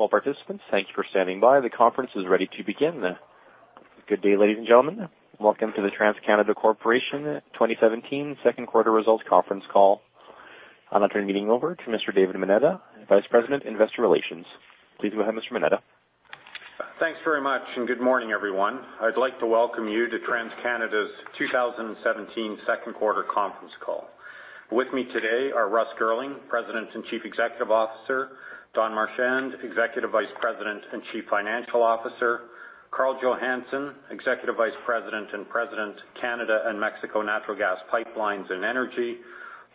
12 participants, thank you for standing by. The conference is ready to begin. Good day, ladies and gentlemen. Welcome to the TransCanada Corporation 2017 second quarter results conference call. I'll now turn the meeting over to Mr. David Moneta, Vice President, Investor Relations. Please go ahead, Mr. Moneta. Thanks very much. Good morning, everyone. I'd like to welcome you to TransCanada's 2017 second quarter conference call. With me today are Russ Girling, President and Chief Executive Officer, Don Marchand, Executive Vice President and Chief Financial Officer, Karl Johannson, Executive Vice President and President, Canada and Mexico Natural Gas Pipelines and Energy,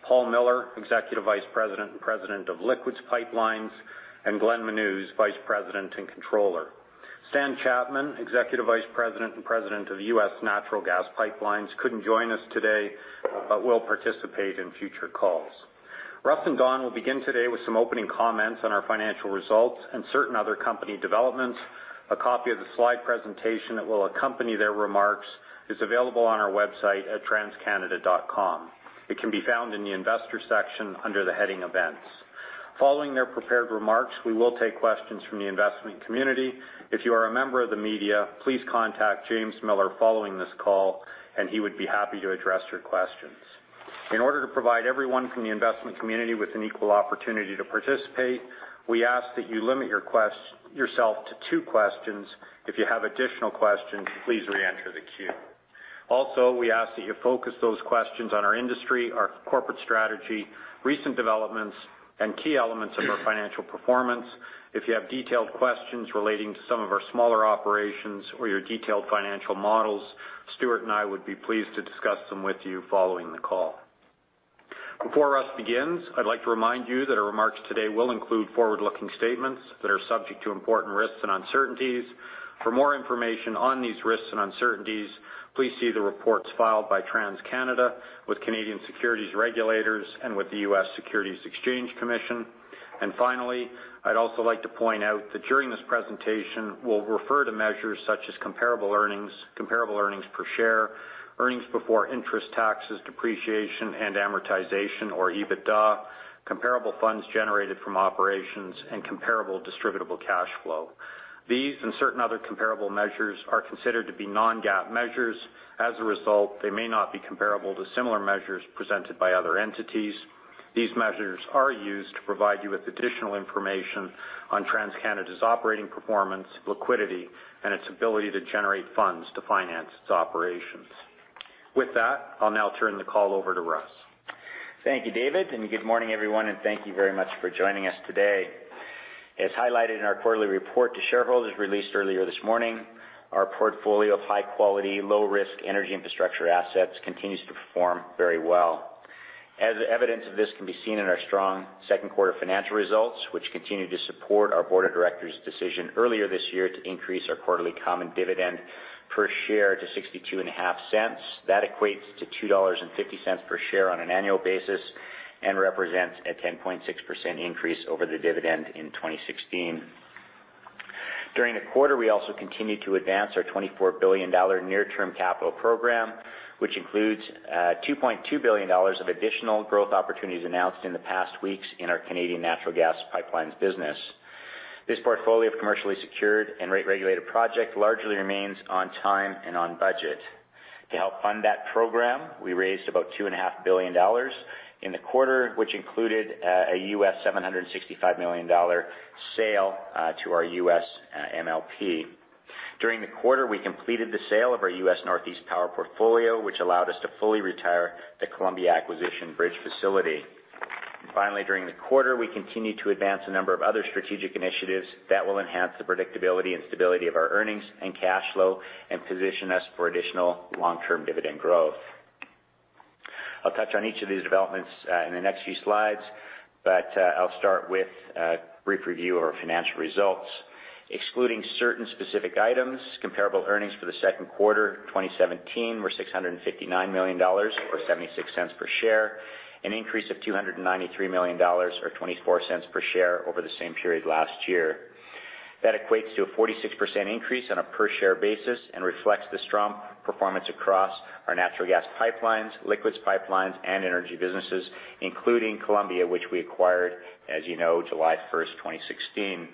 Paul Miller, Executive Vice President and President of Liquids Pipelines, and Glenn Menuz, Vice President and Controller. Stan Chapman, Executive Vice President and President of U.S. Natural Gas Pipelines, couldn't join us today, but will participate in future calls. Russ and Don will begin today with some opening comments on our financial results and certain other company developments. A copy of the slide presentation that will accompany their remarks is available on our website at transcanada.com. It can be found in the investor section under the heading Events. Following their prepared remarks, we will take questions from the investment community. If you are a member of the media, please contact James Miller following this call, and he would be happy to address your questions. In order to provide everyone from the investment community with an equal opportunity to participate, we ask that you limit yourself to two questions. If you have additional questions, please re-enter the queue. We ask that you focus those questions on our industry, our corporate strategy, recent developments, and key elements of our financial performance. If you have detailed questions relating to some of our smaller operations or your detailed financial models, Stuart and I would be pleased to discuss them with you following the call. Before Russ begins, I'd like to remind you that our remarks today will include forward-looking statements that are subject to important risks and uncertainties. For more information on these risks and uncertainties, please see the reports filed by TransCanada with Canadian securities regulators and with the U.S. Securities and Exchange Commission. Finally, I'd also like to point out that during this presentation, we'll refer to measures such as comparable earnings, comparable earnings per share, earnings before interest, taxes, depreciation and amortization or EBITDA, comparable funds generated from operations, and comparable distributable cash flow. These and certain other comparable measures are considered to be non-GAAP measures. As a result, they may not be comparable to similar measures presented by other entities. These measures are used to provide you with additional information on TransCanada's operating performance, liquidity, and its ability to generate funds to finance its operations. With that, I'll now turn the call over to Russ. Thank you, David, good morning, everyone, and thank you very much for joining us today. As highlighted in our quarterly report to shareholders released earlier this morning, our portfolio of high-quality, low-risk energy infrastructure assets continues to perform very well. As evidence of this can be seen in our strong second quarter financial results, which continue to support our board of directors' decision earlier this year to increase our quarterly common dividend per share to 0.625. That equates to 2.50 dollars per share on an annual basis and represents a 10.6% increase over the dividend in 2016. During the quarter, we also continued to advance our 24 billion dollar near-term capital program, which includes 2.2 billion dollars of additional growth opportunities announced in the past weeks in our Canadian Natural Gas Pipelines business. This portfolio of commercially secured and rate-regulated project largely remains on time and on budget. To help fund that program, we raised about 2.5 billion dollars in the quarter, which included a US $765 million sale to our US MLP. During the quarter, we completed the sale of our U.S. Northeast power portfolio, which allowed us to fully retire the Columbia Acquisition Bridge Facility. Finally, during the quarter, we continued to advance a number of other strategic initiatives that will enhance the predictability and stability of our earnings and cash flow and position us for additional long-term dividend growth. I'll touch on each of these developments in the next few slides, but I'll start with a brief review of our financial results. Excluding certain specific items, comparable earnings for the second quarter 2017 were 659 million dollars, or 0.76 per share, an increase of 293 million dollars, or 0.24 per share, over the same period last year. That equates to a 46% increase on a per share basis and reflects the strong performance across our Natural Gas Pipelines, Liquids Pipelines, and Energy businesses, including Columbia, which we acquired, as you know, July 1st, 2016.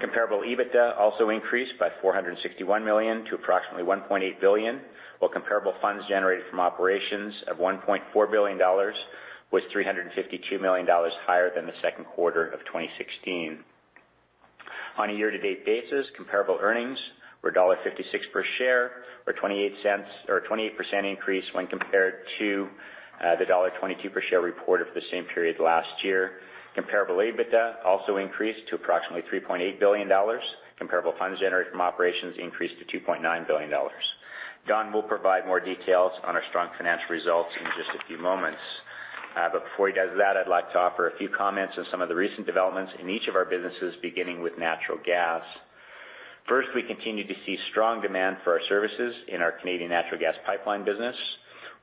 Comparable EBITDA also increased by 461 million to approximately 1.8 billion, while comparable funds generated from operations of 1.4 billion dollars was 352 million dollars higher than the second quarter of 2016. On a year-to-date basis, comparable earnings were dollar 1.56 per share or 28% increase when compared to the dollar 1.22 per share reported for the same period last year. Comparable EBITDA also increased to approximately 3.8 billion dollars. Comparable funds generated from operations increased to 2.9 billion dollars. Don will provide more details on our strong financial results in just a few moments. Before he does that, I'd like to offer a few comments on some of the recent developments in each of our businesses, beginning with natural gas. First, we continue to see strong demand for our services in our Canadian Natural Gas Pipeline business,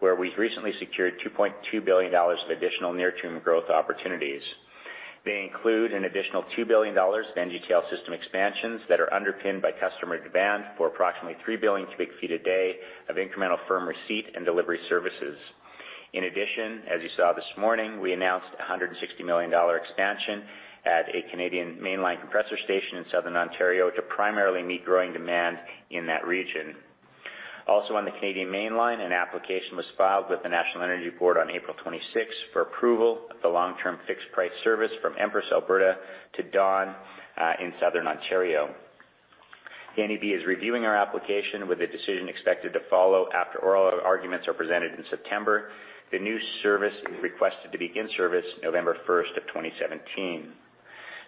where we've recently secured 2.2 billion dollars of additional near-term growth opportunities. They include an additional 2 billion dollars of NGTL System expansions that are underpinned by customer demand for approximately 3 billion cubic feet a day of incremental firm receipt and delivery services. In addition, as you saw this morning, we announced a 160 million dollar expansion at a Canadian Mainline compressor station in Southern Ontario to primarily meet growing demand in that region. Also on the Canadian Mainline, an application was filed with the National Energy Board on April 26th for approval of the long-term fixed-price service from Empress, Alberta, to Dawn in Southern Ontario. The NEB is reviewing our application with a decision expected to follow after oral arguments are presented in September. The new service is requested to be in service November 1 of 2017.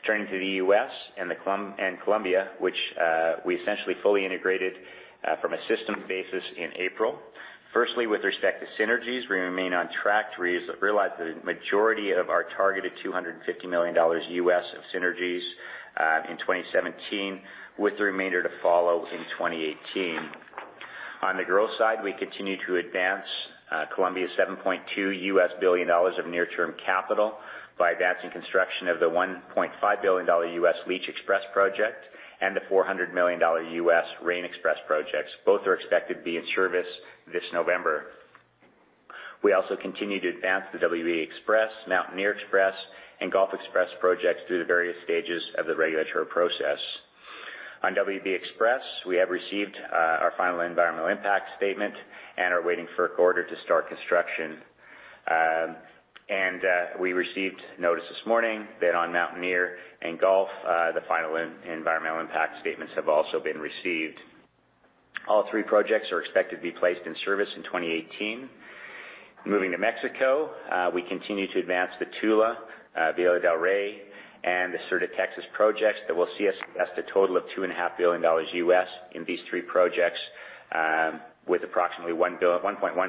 Turning to the U.S. and Columbia, we essentially fully integrated from a system basis in April. Firstly, with respect to synergies, we remain on track to realize the majority of our targeted $250 million U.S. of synergies in 2017, with the remainder to follow in 2018. On the growth side, we continue to advance Columbia's $7.2 billion U.S. of near-term capital by advancing construction of the $1.5 billion Leach XPress project and the $400 million U.S. Rayne XPress projects. Both are expected to be in service this November. We also continue to advance the WB XPress, Mountaineer XPress, and Gulf XPress projects through the various stages of the regulatory process. On WB XPress, we have received our final environmental impact statement and are waiting for a quarter to start construction. We received notice this morning that on Mountaineer XPress and Gulf XPress, the final environmental impact statements have also been received. All three projects are expected to be placed in service in 2018. Moving to Mexico, we continue to advance the Tula, Villa de Reyes, and the Sur de Texas projects that will see us invest a total of $2.5 billion U.S. in these three projects, with approximately $1.1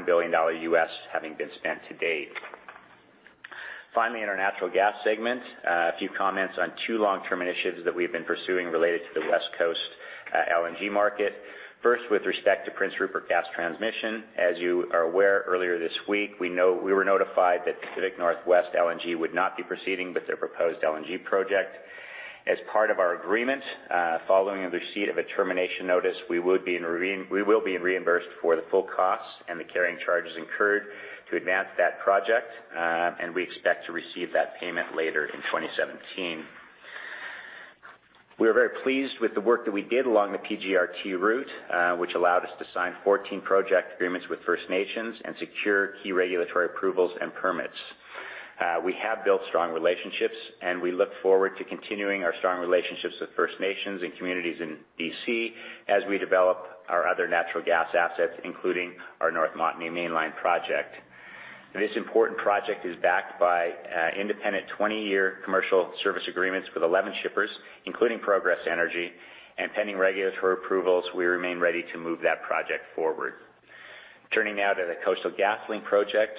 billion U.S. having been spent to date. Finally, in our Natural Gas segment, a few comments on two long-term initiatives that we've been pursuing related to the West Coast LNG market. First, with respect to Prince Rupert Gas Transmission, as you are aware, earlier this week, we were notified that Pacific Northwest LNG would not be proceeding with their proposed LNG project. As part of our agreement, following the receipt of a termination notice, we will be reimbursed for the full costs and the carrying charges incurred to advance that project. We expect to receive that payment later in 2017. We are very pleased with the work that we did along the PGRT route, which allowed us to sign 14 project agreements with First Nations and secure key regulatory approvals and permits. We have built strong relationships, and we look forward to continuing our strong relationships with First Nations and communities in B.C. as we develop our other natural gas assets, including our North Montney Mainline project. This important project is backed by independent 20-year commercial service agreements with 11 shippers, including Progress Energy. Pending regulatory approvals, we remain ready to move that project forward. Turning now to the Coastal GasLink project,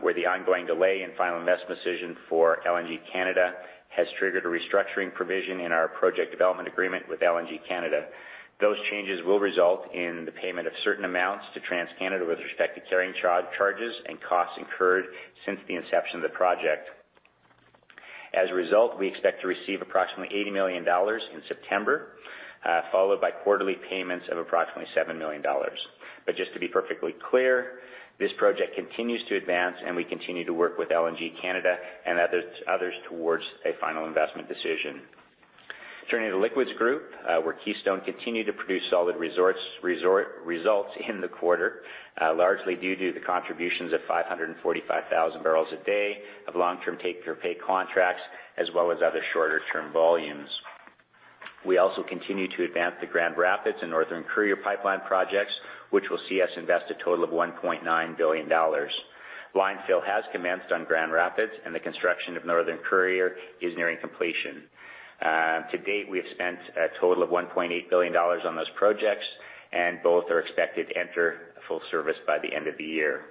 where the ongoing delay in final investment decision for LNG Canada has triggered a restructuring provision in our project development agreement with LNG Canada. Those changes will result in the payment of certain amounts to TransCanada with respect to carrying charges and costs incurred since the inception of the project. As a result, we expect to receive approximately 80 million dollars in September, followed by quarterly payments of approximately 7 million dollars. Just to be perfectly clear, this project continues to advance, and we continue to work with LNG Canada and others towards a final investment decision. Turning to Liquids group, where Keystone continued to produce solid results in the quarter, largely due to the contributions of 545,000 barrels a day of long-term take-or-pay contracts, as well as other shorter-term volumes. We also continue to advance the Grand Rapids Pipeline and Northern Courier Pipeline projects, which will see us invest a total of 1.9 billion dollars. Line fill has commenced on Grand Rapids Pipeline and the construction of Northern Courier Pipeline is nearing completion. To date, we have spent a total of 1.8 billion dollars on those projects, and both are expected to enter full service by the end of the year.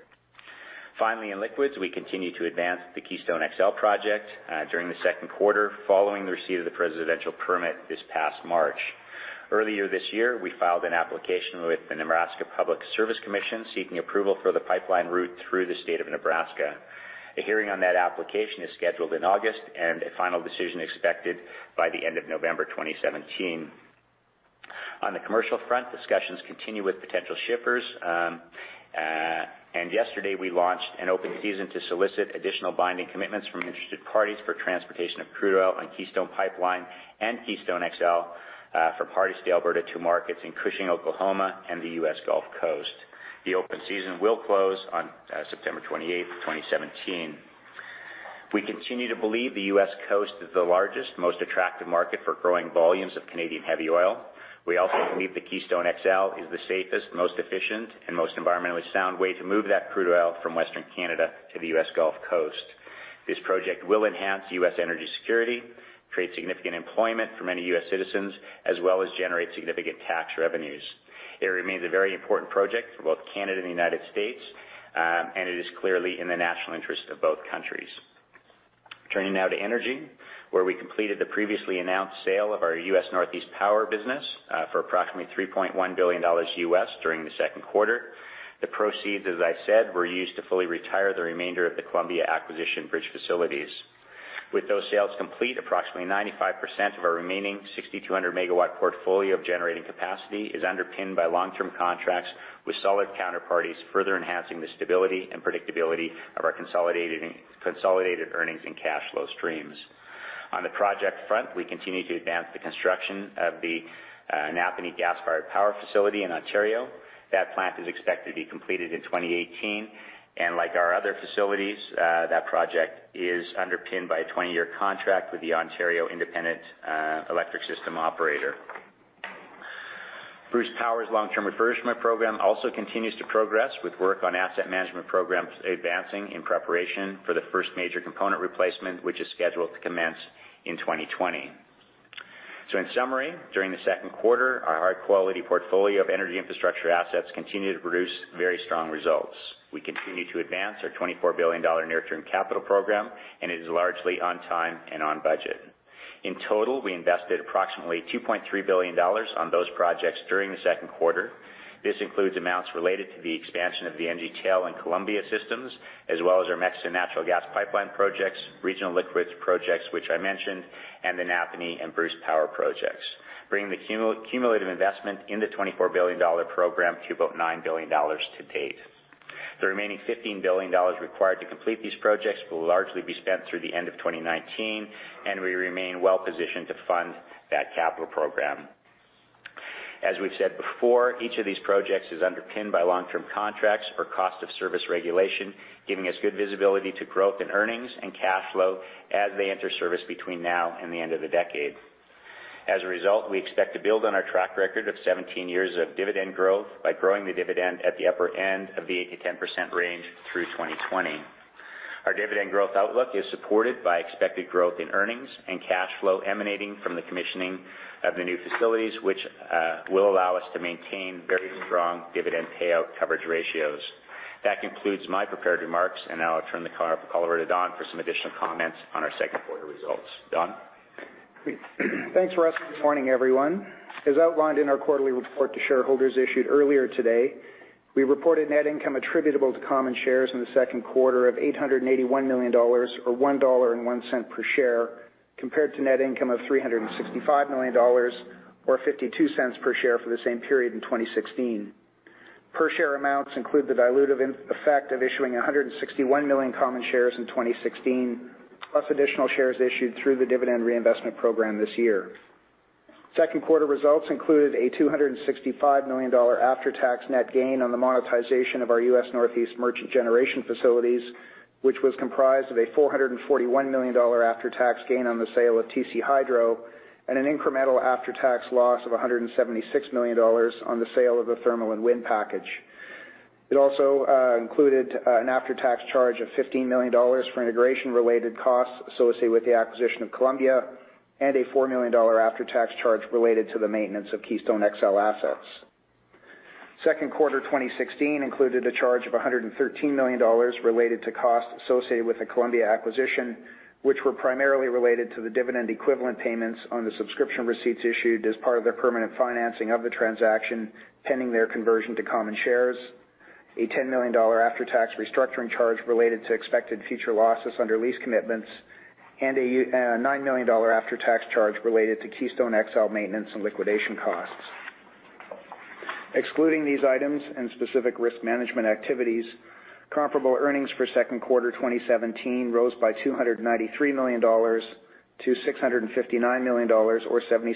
Finally, in Liquids, we continued to advance the Keystone XL project during the second quarter, following the receipt of the presidential permit this past March. Earlier this year, we filed an application with the Nebraska Public Service Commission seeking approval for the pipeline route through the state of Nebraska. A hearing on that application is scheduled in August, and a final decision expected by the end of November 2017. On the commercial front, discussions continue with potential shippers. Yesterday, we launched an open season to solicit additional binding commitments from interested parties for transportation of crude oil on Keystone Pipeline and Keystone XL from Hardisty, Alberta to markets in Cushing, Oklahoma and the U.S. Gulf Coast. The open season will close on September 28th, 2017. We continue to believe the U.S. Coast is the largest, most attractive market for growing volumes of Canadian heavy oil. We also believe the Keystone XL is the safest, most efficient, and most environmentally sound way to move that crude oil from Western Canada to the U.S. Gulf Coast. This project will enhance U.S. energy security, create significant employment for many U.S. citizens, as well as generate significant tax revenues. It remains a very important project for both Canada and the United States, and it is clearly in the national interest of both countries. Turning now to Energy, where we completed the previously announced sale of our U.S. Northeast power business for approximately $3.1 billion during the second quarter. The proceeds, as I said, were used to fully retire the remainder of the Columbia acquisition bridge facilities. With those sales complete, approximately 95% of our remaining 6,200-megawatt portfolio of generating capacity is underpinned by long-term contracts with solid counterparties, further enhancing the stability and predictability of our consolidated earnings and cash flow streams. On the project front, we continue to advance the construction of the Napanee gas-fired power facility in Ontario. That plant is expected to be completed in 2018, like our other facilities, that project is underpinned by a 20-year contract with the Independent Electricity System Operator. Bruce Power's long-term refurbishment program also continues to progress with work on asset management programs advancing in preparation for the first major component replacement, which is scheduled to commence in 2020. In summary, during the second quarter, our high-quality portfolio of energy infrastructure assets continued to produce very strong results. We continue to advance our 24 billion dollar near-term capital program, and it is largely on time and on budget. In total, we invested approximately 2.3 billion dollars on those projects during the second quarter. This includes amounts related to the expansion of the NGTL and Columbia systems, as well as our Mexican natural gas pipeline projects, regional liquids projects, which I mentioned, and the Napanee and Bruce Power projects, bringing the cumulative investment in the 24 billion dollar program to about 9 billion dollars to date. The remaining 15 billion dollars required to complete these projects will largely be spent through the end of 2019. We remain well-positioned to fund that capital program. As we've said before, each of these projects is underpinned by long-term contracts or cost of service regulation, giving us good visibility to growth in earnings and cash flow as they enter service between now and the end of the decade. As a result, we expect to build on our track record of 17 years of dividend growth by growing the dividend at the upper end of the 8%-10% range through 2020. Our dividend growth outlook is supported by expected growth in earnings and cash flow emanating from the commissioning of the new facilities, which will allow us to maintain very strong dividend payout coverage ratios. That concludes my prepared remarks. Now I'll turn the call over to Don for some additional comments on our second quarter results. Don? Thanks, Russ. Good morning, everyone. As outlined in our quarterly report to shareholders issued earlier today, we reported net income attributable to common shares in the second quarter of 881 million dollars, or 1.01 dollar per share, compared to net income of 365 million dollars, or 0.52 per share, for the same period in 2016. Per share amounts include the dilutive effect of issuing 161 million common shares in 2016, plus additional shares issued through the dividend reinvestment program this year. Second quarter results included a 265 million dollar after-tax net gain on the monetization of our U.S. Northeast merchant generation facilities, which was comprised of a 441 million dollar after-tax gain on the sale of TC Hydro, an incremental after-tax loss of 176 million dollars on the sale of the thermal and wind package. It also included an after-tax charge of 15 million dollars for integration-related costs associated with the acquisition of Columbia, a 4 million dollar after-tax charge related to the maintenance of Keystone XL assets. Second quarter 2016 included a charge of 113 million dollars related to costs associated with the Columbia acquisition, which were primarily related to the dividend equivalent payments on the subscription receipts issued as part of their permanent financing of the transaction, pending their conversion to common shares, a 10 million dollar after-tax restructuring charge related to expected future losses under lease commitments, a 9 million dollar after-tax charge related to Keystone XL maintenance and liquidation costs. Excluding these items and specific risk management activities, comparable earnings for second quarter 2017 rose by 293 million dollars to 659 million dollars, or 0.76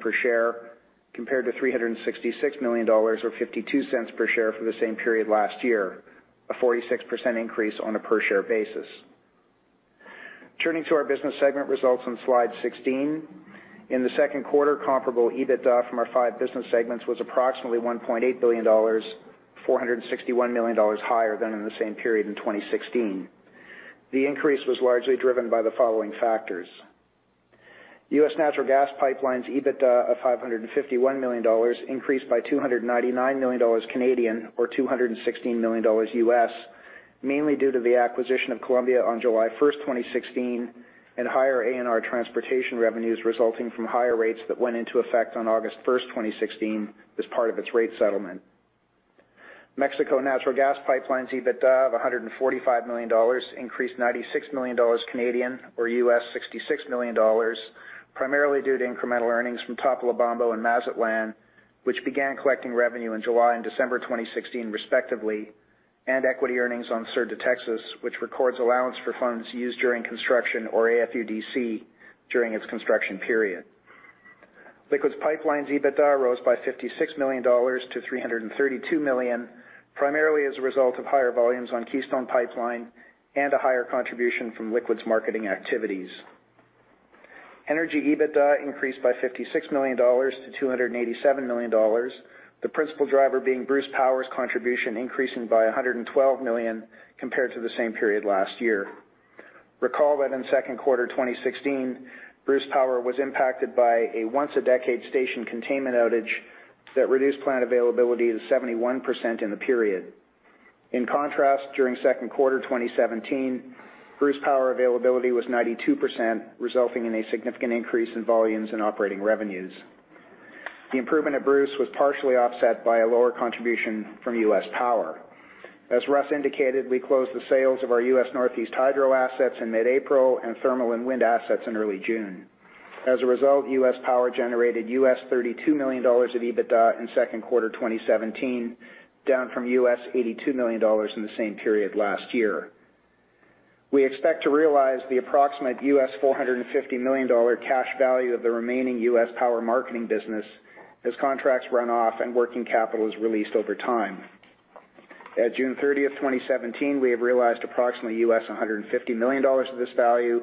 per share, compared to 366 million dollars or 0.52 per share for the same period last year, a 46% increase on a per share basis. Turning to our business segment results on slide 16. In the second quarter, comparable EBITDA from our five business segments was approximately 1.8 billion dollars, 461 million dollars higher than in the same period in 2016. The increase was largely driven by the following factors. U.S. Natural Gas Pipelines EBITDA of 551 million dollars increased by 299 million Canadian dollars, or $216 million U.S., mainly due to the acquisition of Columbia on July 1, 2016, and higher ANR transportation revenues resulting from higher rates that went into effect on August 1, 2016 as part of its rate settlement. Mexico Natural Gas Pipelines EBITDA of 145 million dollars increased 96 million Canadian dollars, or $66 million U.S., primarily due to incremental earnings from Topolobampo and Mazatlán, which began collecting revenue in July and December 2016 respectively, and equity earnings on Sur de Texas, which records allowance for funds used during construction, or AFUDC, during its construction period. Liquids Pipelines EBITDA rose by 56 million dollars to 332 million, primarily as a result of higher volumes on Keystone Pipeline and a higher contribution from liquids marketing activities. Energy EBITDA increased by 56 million dollars to 287 million dollars, the principal driver being Bruce Power's contribution increasing by 112 million compared to the same period last year. Recall that in second quarter 2016, Bruce Power was impacted by a once-a-decade station containment outage that reduced plant availability to 71% in the period. In contrast, during second quarter 2017, Bruce Power availability was 92%, resulting in a significant increase in volumes and operating revenues. The improvement at Bruce was partially offset by a lower contribution from U.S. Power. As Russ indicated, we closed the sales of our U.S. Northeast Hydro assets in mid-April and Thermal and Wind assets in early June. As a result, U.S. Power generated $32 million U.S. of EBITDA in Q2 2017, down from $82 million U.S. in the same period last year. We expect to realize the approximate $450 million U.S. cash value of the remaining U.S. Power marketing business as contracts run off and working capital is released over time. At June 30, 2017, we have realized approximately $150 million U.S. of this value,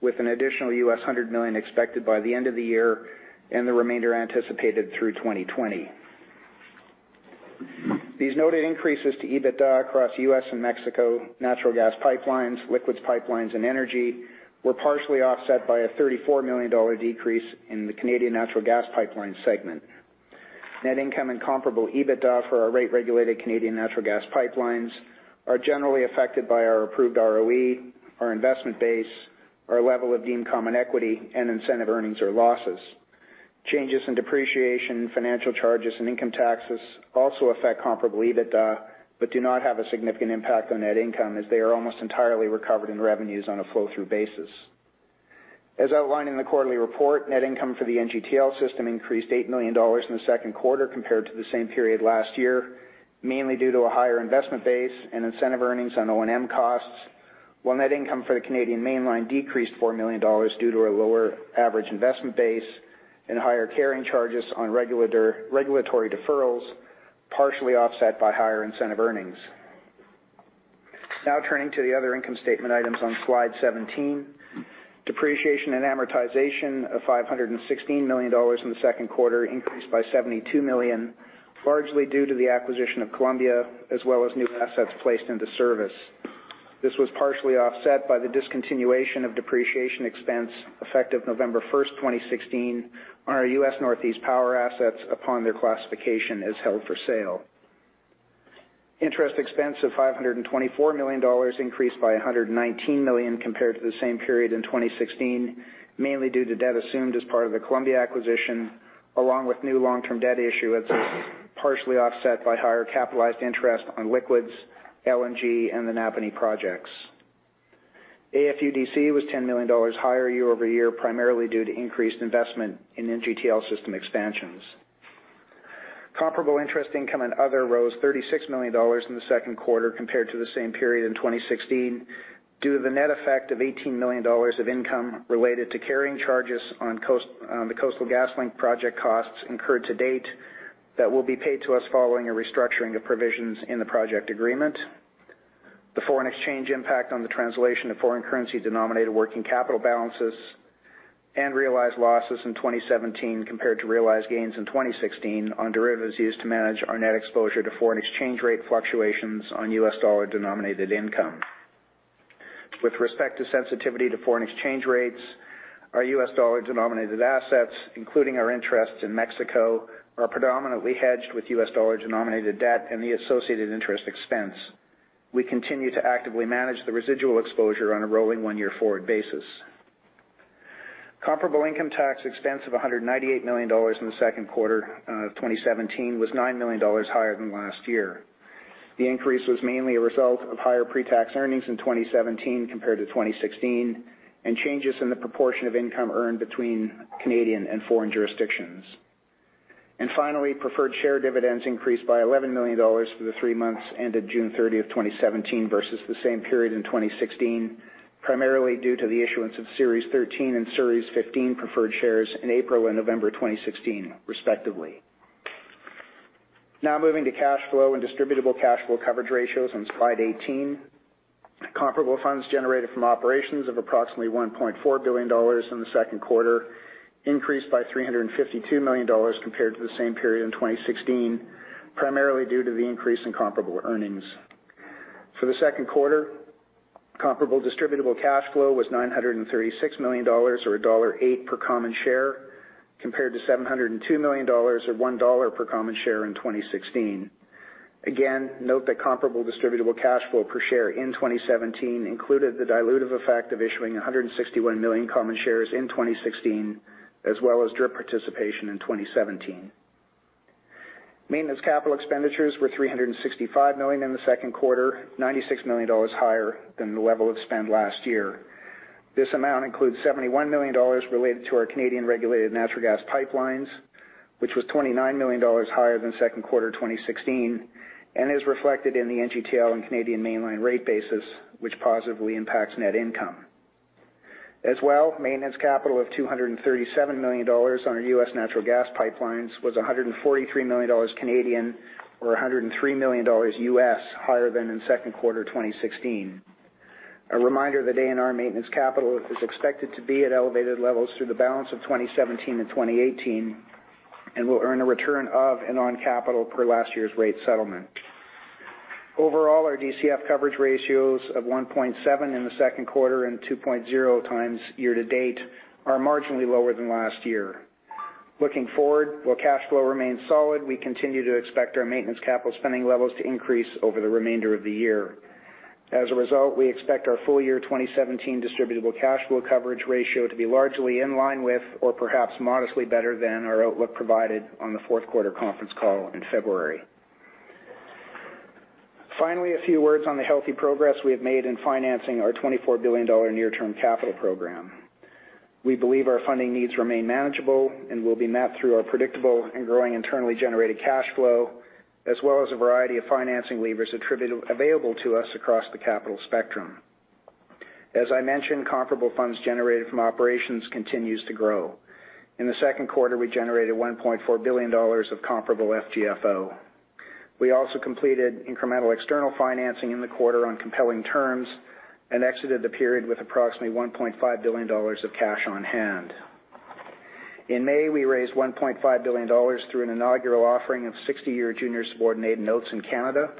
with an additional $100 million U.S. expected by the end of the year and the remainder anticipated through 2020. These noted increases to EBITDA across U.S. and Mexico natural gas pipelines, liquids pipelines, and energy were partially offset by a 34 million dollar decrease in the Canadian natural gas pipeline segment. Net income and comparable EBITDA for our rate-regulated Canadian natural gas pipelines are generally affected by our approved ROE, our investment base, our level of deemed common equity, and incentive earnings or losses. Changes in depreciation, financial charges, and income taxes also affect comparable EBITDA, but do not have a significant impact on net income, as they are almost entirely recovered in revenues on a flow-through basis. As outlined in the quarterly report, net income for the NGTL System increased 8 million dollars in the second quarter compared to the same period last year, mainly due to a higher investment base and incentive earnings on O&M costs, while net income for the Canadian Mainline decreased 4 million dollars due to a lower average investment base and higher carrying charges on regulatory deferrals, partially offset by higher incentive earnings. Turning to the other income statement items on slide 17. Depreciation and amortization of 516 million dollars in the second quarter increased by 72 million, largely due to the acquisition of Columbia, as well as new assets placed into service. This was partially offset by the discontinuation of depreciation expense, effective November 1, 2016, on our U.S. Northeast Power assets upon their classification as held for sale. Interest expense of 524 million dollars increased by 119 million compared to the same period in 2016, mainly due to debt assumed as part of the Columbia acquisition, along with new long-term debt issuance, partially offset by higher capitalized interest on liquids, LNG, and the Napanee projects. AFUDC was 10 million dollars higher year-over-year, primarily due to increased investment in NGTL System expansions. Comparable interest income and other rose 36 million dollars in the second quarter compared to the same period in 2016, due to the net effect of 18 million dollars of income related to carrying charges on the Coastal GasLink project costs incurred to date that will be paid to us following a restructuring of provisions in the project agreement, the foreign exchange impact on the translation of foreign currency-denominated working capital balances, and realized losses in 2017 compared to realized gains in 2016 on derivatives used to manage our net exposure to foreign exchange rate fluctuations on U.S. dollar-denominated income. With respect to sensitivity to foreign exchange rates, our U.S. dollar-denominated assets, including our interests in Mexico, are predominantly hedged with U.S. dollar-denominated debt and the associated interest expense. We continue to actively manage the residual exposure on a rolling one-year forward basis. Comparable income tax expense of 198 million dollars in the second quarter of 2017 was 9 million dollars higher than last year. The increase was mainly a result of higher pre-tax earnings in 2017 compared to 2016 and changes in the proportion of income earned between Canadian and foreign jurisdictions. Finally, preferred share dividends increased by 11 million dollars for the three months ended June 30, 2017, versus the same period in 2016, primarily due to the issuance of Series 13 and Series 15 preferred shares in April and November 2016, respectively. Moving to cash flow and distributable cash flow coverage ratios on slide 18. Comparable funds generated from operations of approximately 1.4 billion dollars in the second quarter increased by 352 million dollars compared to the same period in 2016, primarily due to the increase in comparable earnings. For the second quarter, comparable distributable cash flow was 936 million dollars, or dollar 1.08 per common share, compared to 702 million dollars or 1 dollar per common share in 2016. Note that comparable distributable cash flow per share in 2017 included the dilutive effect of issuing 161 million common shares in 2016, as well as DRIP participation in 2017. Maintenance capital expenditures were 365 million in the second quarter, 96 million dollars higher than the level of spend last year. This amount includes 71 million dollars related to our Canadian regulated natural gas pipelines, which was 29 million dollars higher than second quarter 2016 and is reflected in the NGTL and Canadian Mainline rate bases, which positively impacts net income. Maintenance capital of 237 million dollars on our U.S. natural gas pipelines was 143 million Canadian dollars or $103 million higher than in second quarter 2016. A reminder that ANR maintenance capital is expected to be at elevated levels through the balance of 2017 and 2018 and will earn a return of and on capital per last year's rate settlement. Overall, our DCF coverage ratios of 1.7 in the second quarter and 2.0 times year to date are marginally lower than last year. Looking forward, while cash flow remains solid, we continue to expect our maintenance capital spending levels to increase over the remainder of the year. We expect our full-year 2017 distributable cash flow coverage ratio to be largely in line with or perhaps modestly better than our outlook provided on the fourth quarter conference call in February. A few words on the healthy progress we have made in financing our 24 billion dollar near-term capital program. We believe our funding needs remain manageable and will be mapped through our predictable and growing internally generated cash flow, as well as a variety of financing levers available to us across the capital spectrum. Comparable funds generated from operations continues to grow. In the second quarter, we generated 1.4 billion dollars of comparable FGFO. We also completed incremental external financing in the quarter on compelling terms and exited the period with approximately 1.5 billion dollars of cash on hand. In May, we raised 1.5 billion dollars through an inaugural offering of 60-year junior subordinated notes in Canada,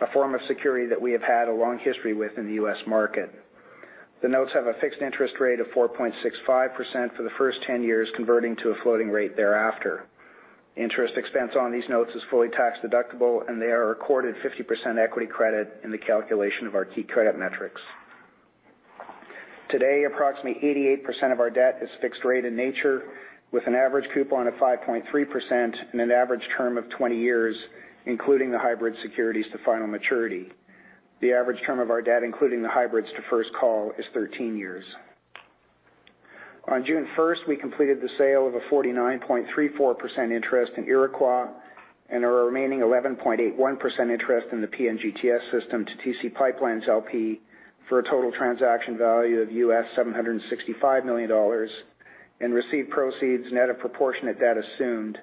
a form of security that we have had a long history with in the U.S. market. The notes have a fixed interest rate of 4.65% for the first 10 years, converting to a floating rate thereafter. Interest expense on these notes is fully tax-deductible. They are recorded 50% equity credit in the calculation of our key credit metrics. Today, approximately 88% of our debt is fixed rate in nature, with an average coupon of 5.3% and an average term of 20 years, including the hybrid securities to final maturity. The average term of our debt, including the hybrids to first call, is 13 years. On June 1st, we completed the sale of a 49.34% interest in Iroquois and our remaining 11.81% interest in the PNGTS system to TC PipeLines, LP for a total transaction value of $765 million and received proceeds net of proportionate debt assumed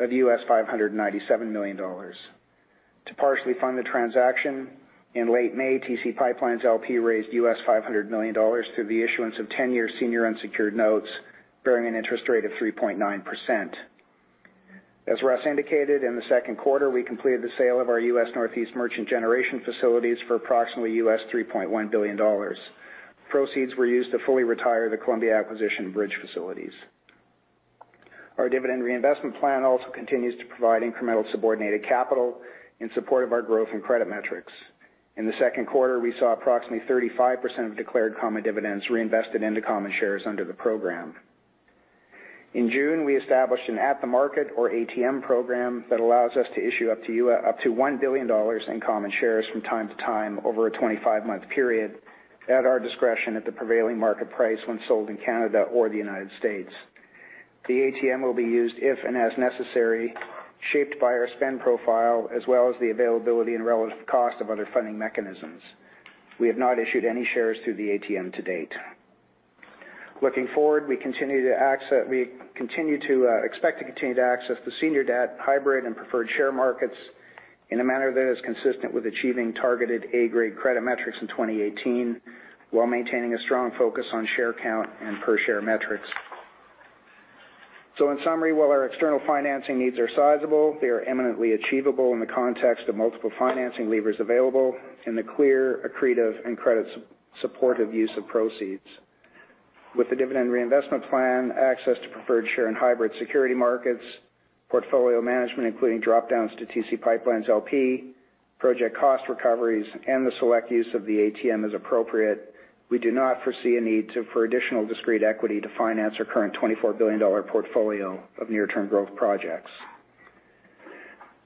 of $597 million. To partially fund the transaction, in late May, TC PipeLines, LP raised $500 million through the issuance of 10-year senior unsecured notes bearing an interest rate of 3.9%. As Russ Girling indicated, in the second quarter, we completed the sale of our U.S. Northeast merchant generation facilities for approximately U.S. $3.1 billion. Proceeds were used to fully retire the Columbia acquisition bridge facilities. Our dividend reinvestment plan also continues to provide incremental subordinated capital in support of our growth and credit metrics. In the second quarter, we saw approximately 35% of declared common dividends reinvested into common shares under the program. In June, we established an at-the-market or ATM program that allows us to issue up to U.S. $1 billion in common shares from time to time over a 25-month period at our discretion at the prevailing market price when sold in Canada or the United States. The ATM will be used if and as necessary, shaped by our spend profile, as well as the availability and relative cost of other funding mechanisms. We have not issued any shares through the ATM to date. Looking forward, we continue to expect to continue to access the senior debt hybrid and preferred share markets in a manner that is consistent with achieving targeted A-grade credit metrics in 2018, while maintaining a strong focus on share count and per-share metrics. In summary, while our external financing needs are sizable, they are eminently achievable in the context of multiple financing levers available and the clear, accretive, and credit supportive use of proceeds. With the dividend reinvestment plan, access to preferred share and hybrid security markets, portfolio management, including drop-downs to TC PipeLines, LP, project cost recoveries, and the select use of the ATM as appropriate, we do not foresee a need for additional discrete equity to finance our current 24 billion dollar portfolio of near-term growth projects.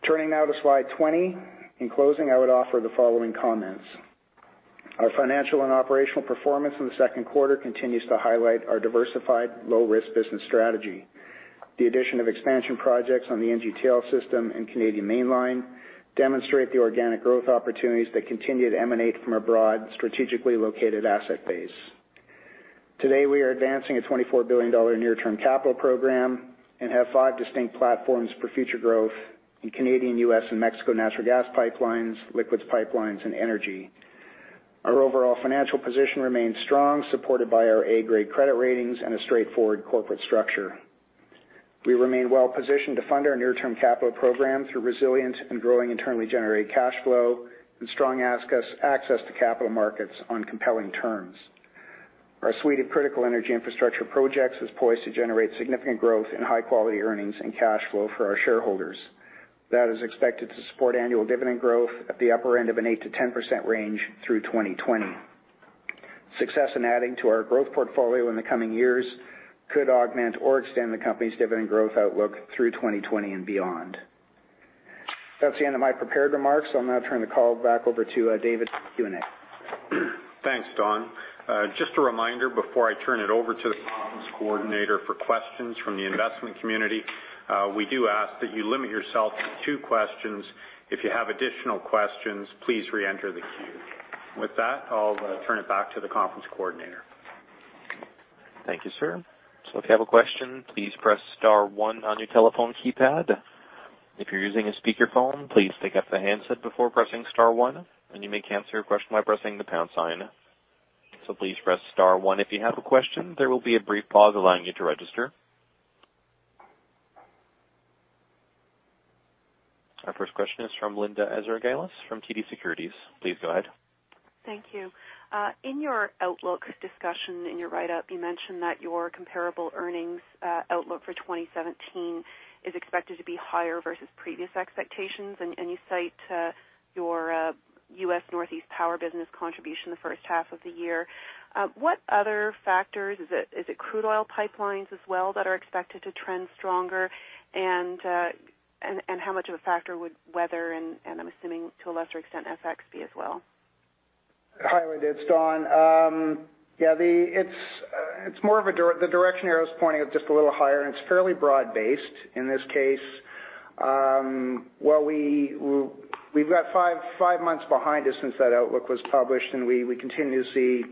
Turning now to slide 20. In closing, I would offer the following comments. Our financial and operational performance in the second quarter continues to highlight our diversified low-risk business strategy. The addition of expansion projects on the NGTL System and Canadian Mainline demonstrate the organic growth opportunities that continue to emanate from a broad, strategically located asset base. Today, we are advancing a 24 billion dollar near-term capital program and have five distinct platforms for future growth in Canadian, U.S., and Mexico natural gas pipelines, liquids pipelines, and energy. Our overall financial position remains strong, supported by our A-grade credit ratings and a straightforward corporate structure. We remain well-positioned to fund our near-term capital program through resilient and growing internally generated cash flow and strong access to capital markets on compelling terms. Our suite of critical energy infrastructure projects is poised to generate significant growth in high-quality earnings and cash flow for our shareholders. That is expected to support annual dividend growth at the upper end of an 8%-10% range through 2020. Success in adding to our growth portfolio in the coming years could augment or extend the company's dividend growth outlook through 2020 and beyond. That's the end of my prepared remarks. I'll now turn the call back over to David for Q&A. Thanks, Don. Just a reminder before I turn it over to the conference coordinator for questions from the investment community. We do ask that you limit yourself to two questions. If you have additional questions, please re-enter the queue. With that, I'll turn it back to the conference coordinator. Thank you, sir. If you have a question, please press star one on your telephone keypad. If you're using a speakerphone, please pick up the handset before pressing star one, and you may cancel your question by pressing the pound sign. Please press star one if you have a question. There will be a brief pause allowing you to register. Our first question is from Linda Ezergailis from TD Securities. Please go ahead. Thank you. In your outlook discussion, in your write-up, you mentioned that your comparable earnings outlook for 2017 is expected to be higher versus previous expectations, and you cite your U.S. Northeast power business contribution the first half of the year. What other factors? Is it crude oil pipelines as well that are expected to trend stronger? How much of a factor would weather, and I'm assuming to a lesser extent, FX be as well? Hi, Linda, it's Don. Yeah, the direction arrow's pointing up just a little higher. It's fairly broad-based in this case. We've got five months behind us since that outlook was published. We continue to see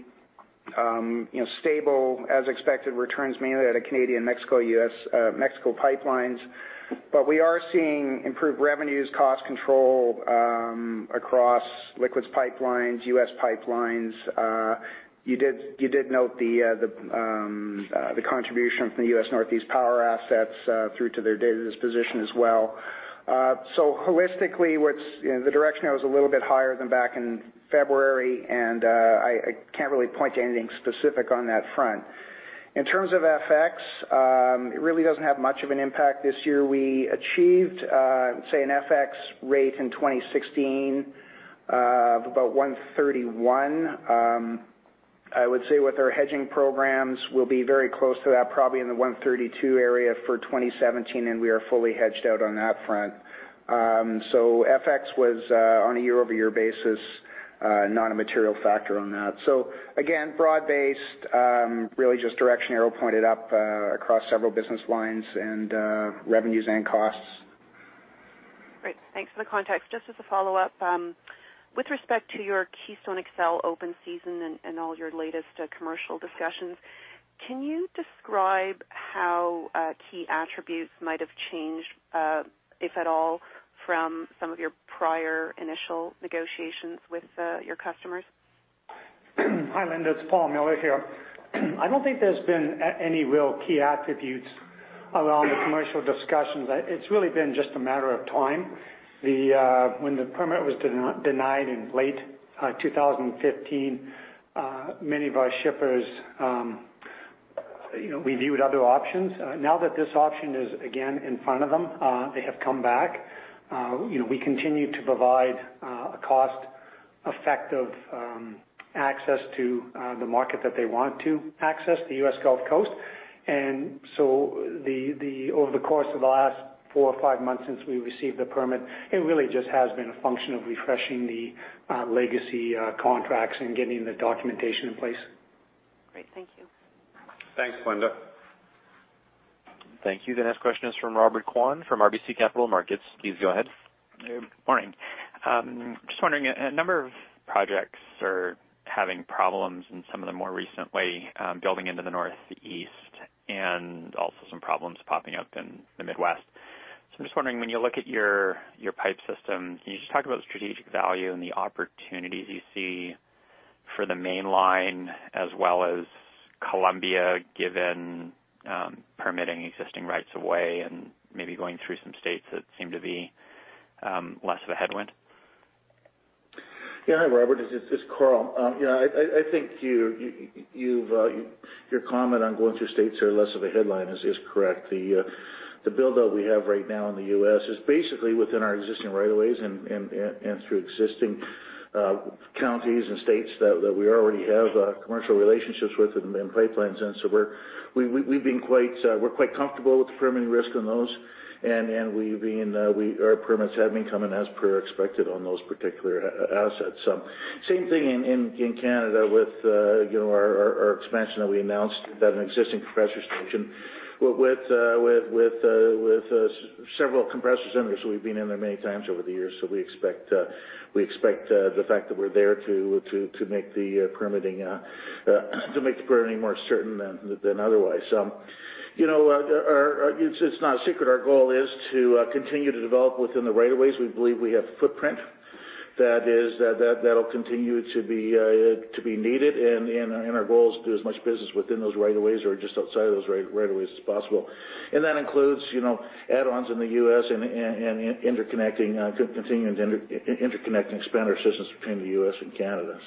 stable as-expected returns mainly out of Canadian, Mexico, U.S., Mexico pipelines. We are seeing improved revenues, cost control across liquids pipelines, U.S. pipelines. You did note the contribution from the U.S. Northeast power assets through to their date of disposition as well. Holistically, the direction now is a little bit higher than back in February. I can't really point to anything specific on that front. In terms of FX, it really doesn't have much of an impact this year. We achieved, say, an FX rate in 2016 of about 131. I would say with our hedging programs, we'll be very close to that, probably in the 132 area for 2017. We are fully hedged out on that front. FX was, on a year-over-year basis, not a material factor on that. Again, broad-based, really just direction arrow pointed up across several business lines and revenues and costs. Great. Thanks for the context. Just as a follow-up, with respect to your Keystone XL open season and all your latest commercial discussions, can you describe how key attributes might have changed, if at all, from some of your prior initial negotiations with your customers? Hi, Linda. It's Paul Miller here. I don't think there's been any real key attributes around the commercial discussions. It's really been just a matter of time. When the permit was denied in late 2015, many of our shippers reviewed other options. Now that this option is again in front of them, they have come back. We continue to provide a cost-effective access to the market that they want to access, the U.S. Gulf Coast. Over the course of the last four or five months since we received the permit, it really just has been a function of refreshing the legacy contracts and getting the documentation in place. Great. Thank you. Thanks, Linda. Thank you. The next question is from Robert Kwan from RBC Capital Markets. Please go ahead. Good morning. Just wondering, a number of projects are having problems and some of them more recently building into the Northeast and also some problems popping up in the Midwest. I'm just wondering, when you look at your pipe system, can you just talk about the strategic value and the opportunities you see for the mainline as well as Columbia, given permitting existing rights of way and maybe going through some states that seem to be less of a headwind? Yeah. Hi, Robert. It's Karl. I think your comment on going through states that are less of a headline is correct. The build-out we have right now in the U.S. is basically within our existing right of ways and through existing counties and states that we already have commercial relationships with and pipelines in. We're quite comfortable with the permitting risk on those and our permits have been coming as per expected on those particular assets. Same thing in Canada with our expansion that we announced at an existing compressor station with several compressor centers. We've been in there many times over the years. We expect the fact that we're there to make the permitting more certain than otherwise. It's not a secret our goal is to continue to develop within the right of ways. We believe we have footprint that'll continue to be needed. Our goal is to do as much business within those right of ways or just outside of those right of ways as possible. That includes add-ons in the U.S. and continuing to interconnect and expand our systems between the U.S. and Canada.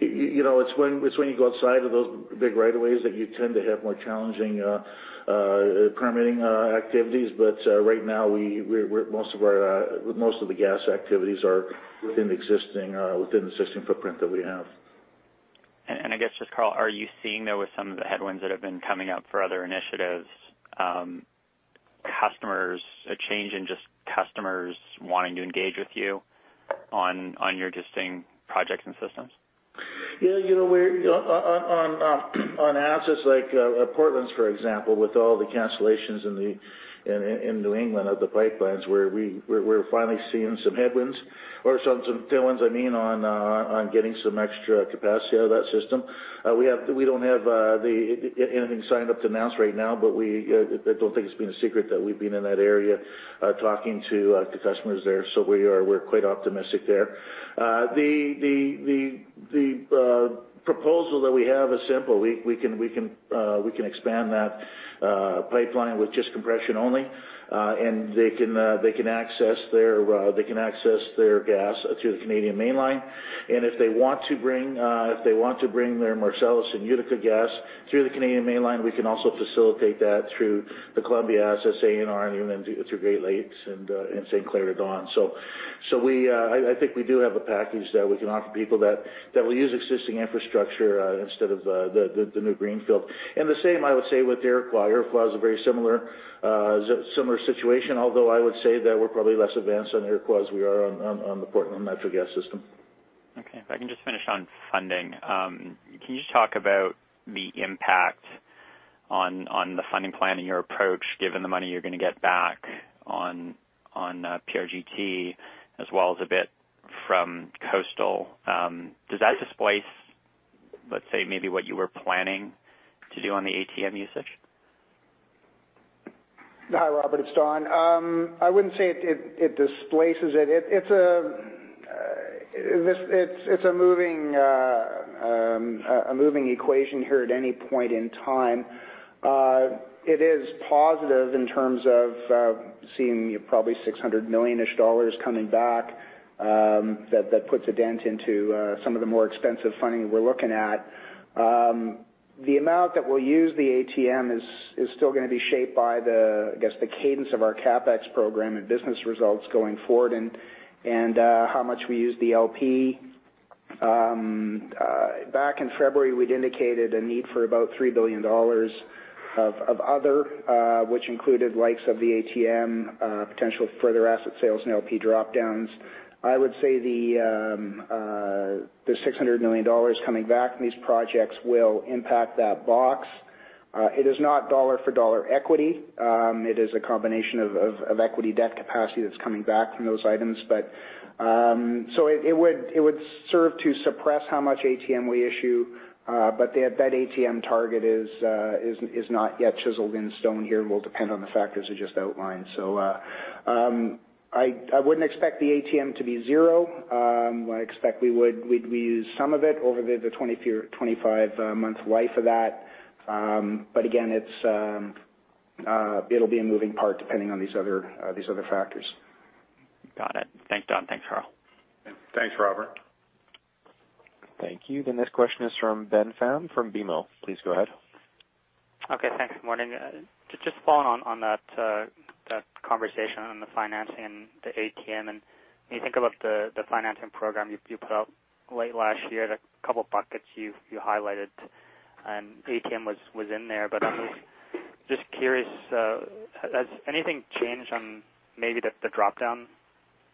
It's when you go outside of those big right of ways that you tend to have more challenging permitting activities. Right now, most of the gas activities are within the existing footprint that we have. I guess just, Karl, are you seeing, though, with some of the headwinds that have been coming up for other initiatives, a change in just customers wanting to engage with you on your existing projects and systems? Yeah. On assets like Portland, for example, with all the cancellations in New England of the pipelines where we're finally seeing some headwinds or some tailwinds, I mean, on getting some extra capacity out of that system. We don't have anything signed up to announce right now, but I don't think it's been a secret that we've been in that area talking to customers there. We're quite optimistic there. The proposal that we have is simple. We can expand that pipeline with just compression only, and they can access their gas through the Canadian Mainline. If they want to bring their Marcellus and Utica gas through the Canadian Mainline, we can also facilitate that through the Columbia assets, ANR, and even through Great Lakes and St. Clair to Dawn. I think we do have a package that we can offer people that will use existing infrastructure instead of the new greenfield. The same, I would say, with Iroquois. Iroquois is a very similar situation, although I would say that we're probably less advanced on Iroquois as we are on the Portland Natural Gas System. Okay. If I can just finish on funding. Can you just talk about the impact on the funding plan in your approach, given the money you're going to get back on PRGT as well as a bit from Coastal? Does that displace, let's say, maybe what you were planning to do on the ATM usage? Hi, Robert, it's Don. I wouldn't say it displaces it. It's a moving equation here at any point in time. It is positive in terms of seeing probably 600 million dollars-ish coming back. That puts a dent into some of the more expensive funding that we're looking at. The amount that we'll use the ATM is still going to be shaped by the cadence of our CapEx program and business results going forward, and how much we use the LP. Back in February, we'd indicated a need for about 3 billion dollars of other, which included likes of the ATM, potential further asset sales and LP drop-downs. I would say the 600 million dollars coming back from these projects will impact that box. It is not dollar for dollar equity. It is a combination of equity debt capacity that's coming back from those items. It would serve to suppress how much ATM we issue. That ATM target is not yet chiseled in stone here, and will depend on the factors I just outlined. I wouldn't expect the ATM to be zero. I expect we'd use some of it over the 25-month life of that. Again, it'll be a moving part depending on these other factors. Got it. Thanks, Don. Thanks, Karl. Thanks, Robert. Thank you. The next question is from Ben Pham from BMO. Please go ahead. Okay, thanks. Morning. Following on that conversation on the financing, the ATM, when you think about the financing program you put out late last year, the couple of buckets you highlighted ATM was in there. I'm just curious, has anything changed on maybe the drop-down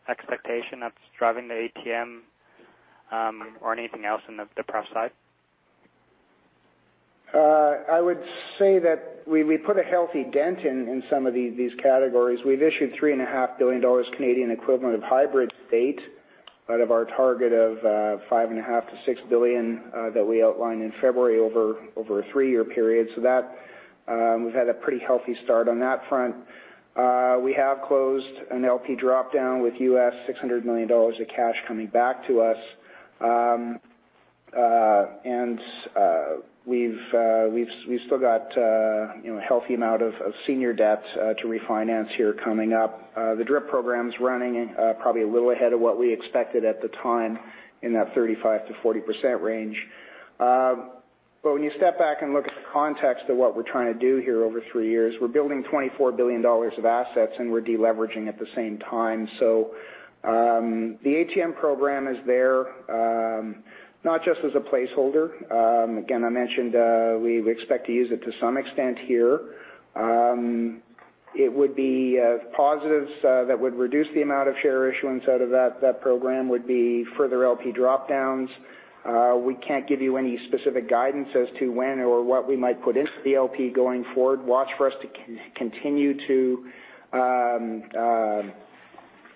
expectation that's driving the ATM, or anything else in the prep side? I would say that we put a healthy dent in some of these categories. We've issued 3.5 billion Canadian dollars equivalent of hybrid to date out of our target of 5.5 billion-6 billion that we outlined in February over a three-year period. We've had a pretty healthy start on that front. We have closed an LP drop-down with $600 million of cash coming back to us. We've still got a healthy amount of senior debt to refinance here coming up. The DRIP program's running probably a little ahead of what we expected at the time in that 35%-40% range. When you step back and look at the context of what we're trying to do here over three years, we're building 24 billion dollars of assets, we're de-leveraging at the same time. The ATM program is there not just as a placeholder. I mentioned we expect to use it to some extent here. It would be positives that would reduce the amount of share issuance out of that program would be further MLP drop-downs. We cannot give you any specific guidance as to when or what we might put into the MLP going forward. Watch for us to continue to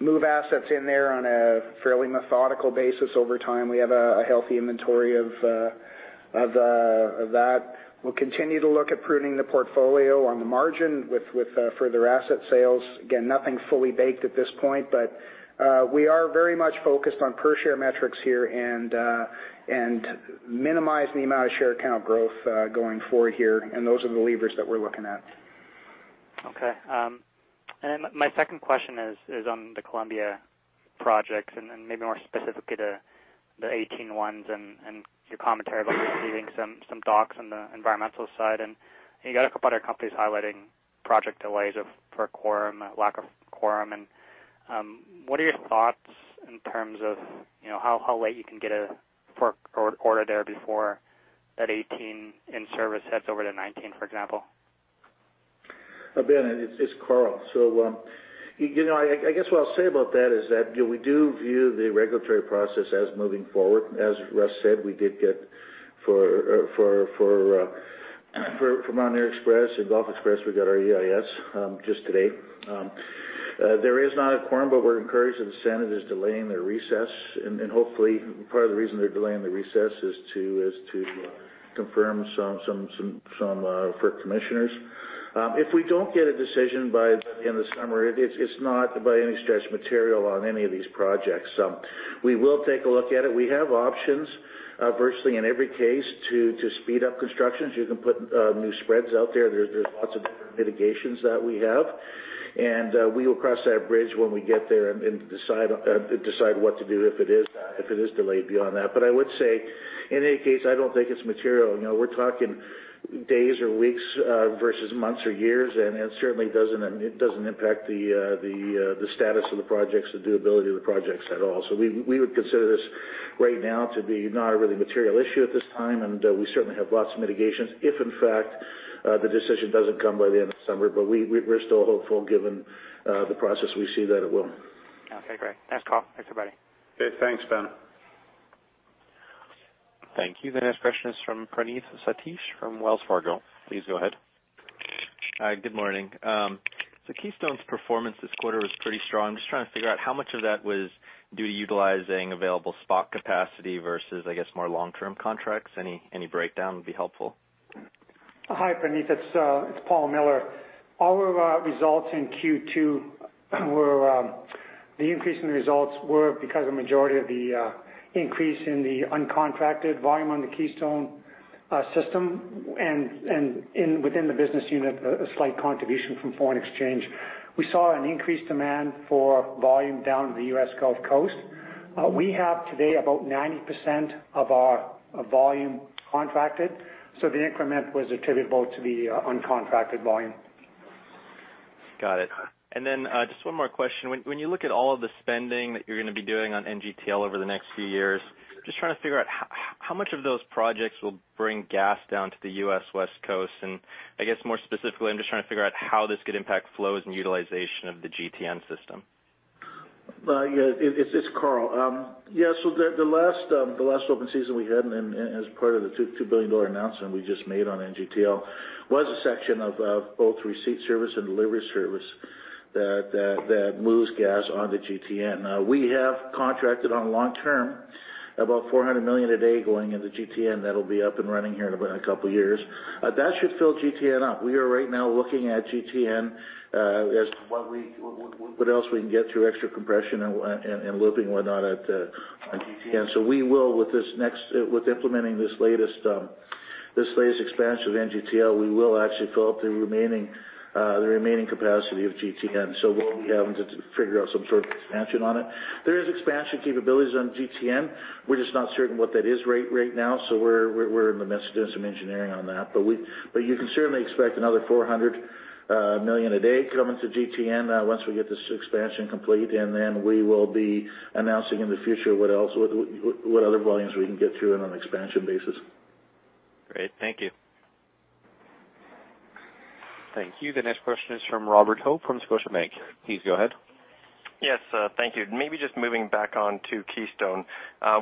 move assets in there on a fairly methodical basis over time. We have a healthy inventory of that. We will continue to look at pruning the portfolio on the margin with further asset sales. Nothing fully baked at this point. We are very much focused on per-share metrics here and minimize the amount of share account growth going forward here. Those are the levers that we are looking at. My second question is on the Columbia projects and maybe more specifically the 2018 ones and your commentary about receiving some docs on the environmental side. You got a couple other companies highlighting project delays for quorum, lack of quorum. What are your thoughts in terms of how late you can get an order there before that 2018 in service heads over to 2019, for example? Ben, it is Karl. I guess what I will say about that is that we do view the regulatory process as moving forward. As Russ said, we did get for Mountaineer XPress and Gulf XPress, we got our EIS just today. There is not a quorum. We are encouraged that the Senate is delaying their recess, and hopefully part of the reason they are delaying the recess is to confirm some FERC commissioners. If we do not get a decision by the end of the summer, it is not by any stretch material on any of these projects. We will take a look at it. We have options virtually in every case to speed up constructions. You can put new spreads out there. There are lots of different mitigations that we have. We will cross that bridge when we get there and decide what to do if it is delayed beyond that. I would say, in any case, I do not think it is material. We are talking days or weeks versus months or years. It certainly does not impact the status of the projects, the doability of the projects at all. We would consider this right now to be not really a material issue at this time. We certainly have lots of mitigations if, in fact, the decision does not come by the end of summer. We are still hopeful given the process we see that it will. Okay, great. Thanks, Karl. Thanks, everybody. Okay. Thanks, Ben. Thank you. The next question is from Praneeth Satish from Wells Fargo. Please go ahead. Hi, good morning. Keystone's performance this quarter was pretty strong. Just trying to figure out how much of that was due to utilizing available spot capacity versus, I guess, more long-term contracts. Any breakdown would be helpful. Hi, Praneeth. It is Paul Miller. All of our results in Q2, the increase in results were because a majority of the increase in the uncontracted volume on the Keystone system, and within the business unit, a slight contribution from foreign exchange. We saw an increased demand for volume down to the U.S. Gulf Coast. We have today about 90% of our volume contracted, so the increment was attributable to the uncontracted volume. Got it. Just one more question. When you look at all of the spending that you are going to be doing on NGTL over the next few years, just trying to figure out how much of those projects will bring gas down to the U.S. West Coast. I guess more specifically, I am just trying to figure out how this could impact flows and utilization of the GTN system. It is Karl. The last open season we had, and as part of the 2 billion dollar announcement we just made on NGTL, was a section of both receipt service and delivery service that moves gas on to GTN. We have contracted on long-term about 400 million a day going into GTN. That will be up and running here in about a couple of years. That should fill GTN up. We are right now looking at GTN as what else we can get through extra compression and looping, whatnot at GTN. With implementing this latest expansion of NGTL, we will actually fill up the remaining capacity of GTN. We will be having to figure out some sort of expansion on it. There is expansion capabilities on GTN. We are just not certain what that is right now, we are in the midst of doing some engineering on that. You can certainly expect another 400 million a day coming to GTN once we get this expansion complete. We will be announcing in the future what other volumes we can get to on an expansion basis. Great. Thank you. Thank you. The next question is from Robert Hope from Scotiabank. Please go ahead. Yes. Thank you. Maybe just moving back on to Keystone.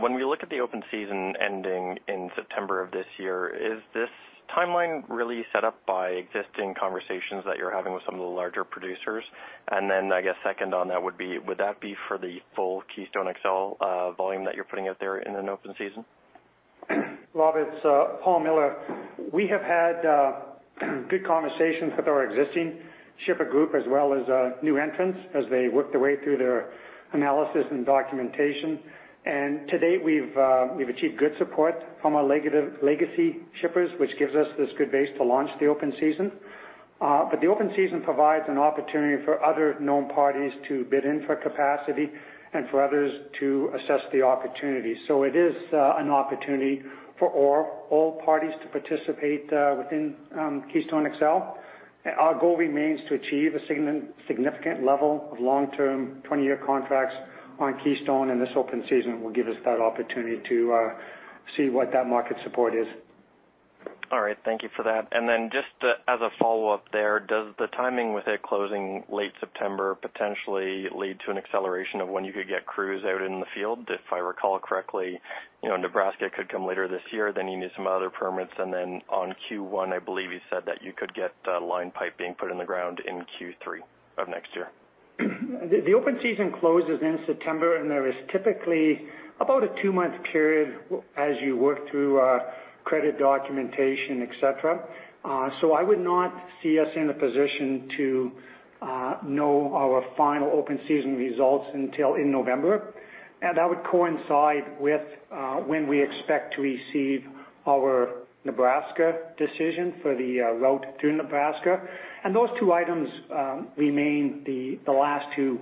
When we look at the open season ending in September of this year, is this timeline really set up by existing conversations that you're having with some of the larger producers? I guess second on that would be, would that be for the full Keystone XL volume that you're putting out there in an open season? Rob, it's Paul Miller. We have had good conversations with our existing shipper group as well as new entrants as they work their way through their analysis and documentation. To date, we've achieved good support from our legacy shippers, which gives us this good base to launch the open season. The open season provides an opportunity for other known parties to bid in for capacity and for others to assess the opportunity. It is an opportunity for all parties to participate within Keystone XL. Our goal remains to achieve a significant level of long-term 20-year contracts on Keystone, this open season will give us that opportunity to see what that market support is. All right. Thank you for that. Just as a follow-up there, does the timing with it closing late September potentially lead to an acceleration of when you could get crews out in the field? If I recall correctly, Nebraska could come later this year, you need some other permits, on Q1, I believe you said that you could get line pipe being put in the ground in Q3 of next year. The open season closes in September, there is typically about a two-month period as you work through credit documentation, et cetera. I would not see us in a position to know our final open season results until in November. That would coincide with when we expect to receive our Nebraska decision for the route through Nebraska. Those two items remain the last two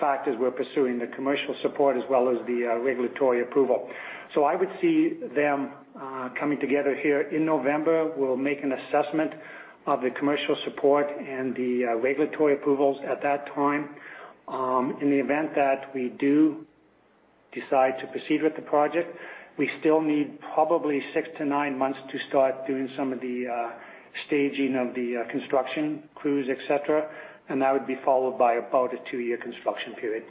factors we're pursuing, the commercial support as well as the regulatory approval. I would see them coming together here in November. We'll make an assessment of the commercial support and the regulatory approvals at that time. In the event that we do decide to proceed with the project, we still need probably six to nine months to start doing some of the staging of the construction crews, et cetera, that would be followed by about a two-year construction period.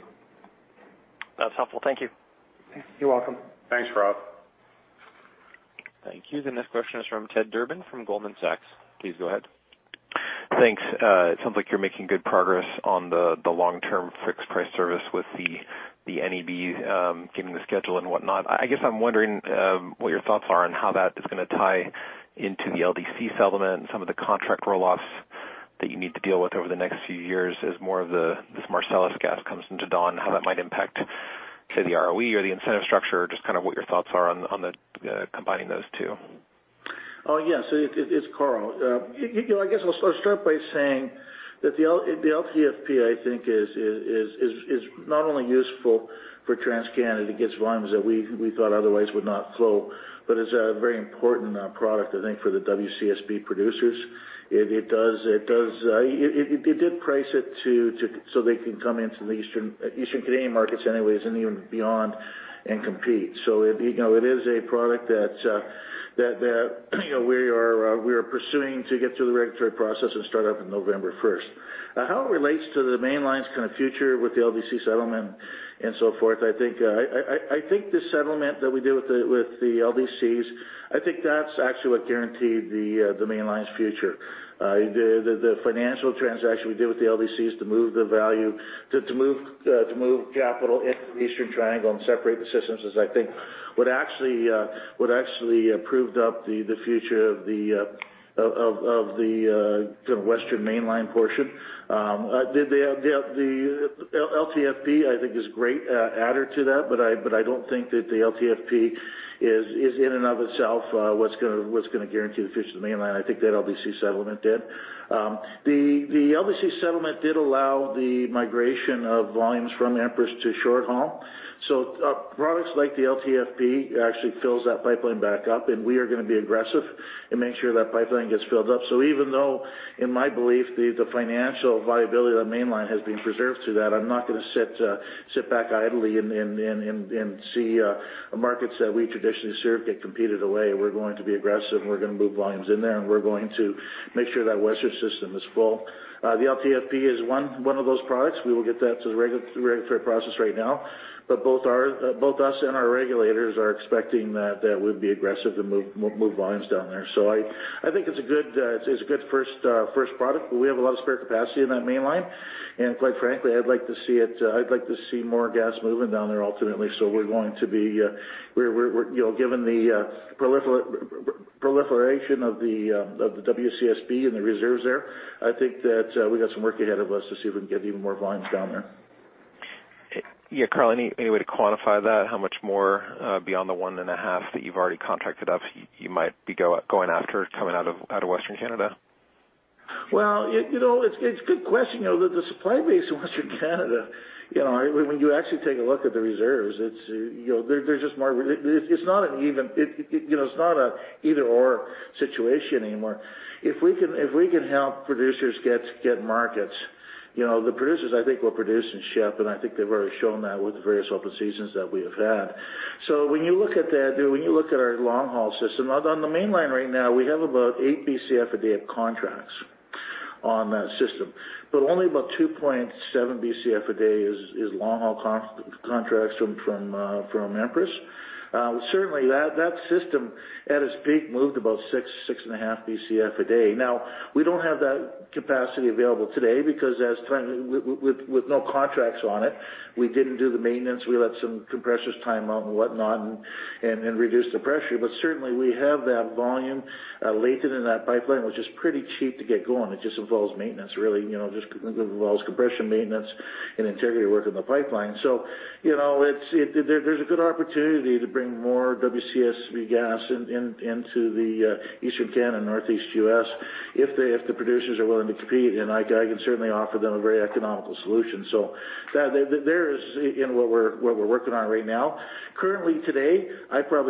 That's helpful. Thank you. You're welcome. Thanks, Rob. Thank you. The next question is from Ted Durbin from Goldman Sachs. Please go ahead. Thanks. It sounds like you are making good progress on the long-term fixed price service with the NEB getting the schedule and whatnot. I guess I am wondering what your thoughts are on how that is going to tie into the LDC settlement and some of the contract roll-offs that you need to deal with over the next few years as more of this Marcellus gas comes into Dawn, how that might impact, say, the ROE or the incentive structure, just what your thoughts are on combining those two. Oh, yes. It is Karl. I guess I will start by saying that the LTFP, I think, is not only useful for TransCanada to get volumes that we thought otherwise would not flow, but is a very important product, I think, for the WCSB producers. It did price it so they can come into the Eastern Canadian markets anyway, and even beyond, and compete. It is a product that we are pursuing to get through the regulatory process and start up on November 1st. How it relates to the Mainline's kind of future with the LDC settlement and so forth, I think the settlement that we did with the LDCs, I think that is actually what guaranteed the Mainline's future. The financial transaction we did with the LDCs to move the value, to move capital into the Eastern Triangle and separate the systems is, I think, what actually proved up the future of the Western Mainline portion. The LTFP, I think, is a great adder to that, but I don't think that the LTFP is in and of itself what's going to guarantee the future of the Mainline. I think that LDC settlement did. The LDC settlement did allow the migration of volumes from Empress to short-haul. Products like the LTFP actually fills that pipeline back up, and we are going to be aggressive and make sure that pipeline gets filled up. Even though, in my belief, the financial viability of that Mainline has been preserved through that, I'm not going to sit back idly and see markets that we traditionally serve get competed away. We're going to be aggressive, and we're going to move volumes in there, and we're going to make sure that Western system is full. The LTFP is one of those products. We will get that through the regulatory process right now. Both us and our regulators are expecting that we'd be aggressive and move volumes down there. I think it's a good first product, but we have a lot of spare capacity in that Mainline. Quite frankly, I'd like to see more gas moving down there ultimately. Given the proliferation of the WCSB and the reserves there, I think that we've got some work ahead of us to see if we can get even more volumes down there. Yeah, Karl, any way to quantify that? How much more beyond the one and a half that you've already contracted up you might be going after coming out of Western Canada? Well, it's a good question. The supply base in Western Canada, when you actually take a look at the reserves, it's not an either/or situation anymore. If we can help producers get markets, the producers, I think, will produce and ship, and I think they've already shown that with the various open seasons that we have had. When you look at our long-haul system, on the Mainline right now, we have about eight Bcf a day of contracts on that system, but only about 2.7 Bcf a day is long-haul contracts from Empress. Certainly, that system, at its peak, moved about six and a half Bcf a day. Now, we don't have that capacity available today because with no contracts on it, we didn't do the maintenance. We let some compressors time out and whatnot, and reduced the pressure. Certainly, we have that volume latent in that pipeline, which is pretty cheap to get going. It just involves maintenance, really. It just involves compression maintenance and interior work in the pipeline. There is a good opportunity to bring more WCSB gas into the Eastern Canada, Northeast U.S. if the producers are willing to compete, and I can certainly offer them a very economical solution. That is what we are working on right now. Currently, today, at 2.7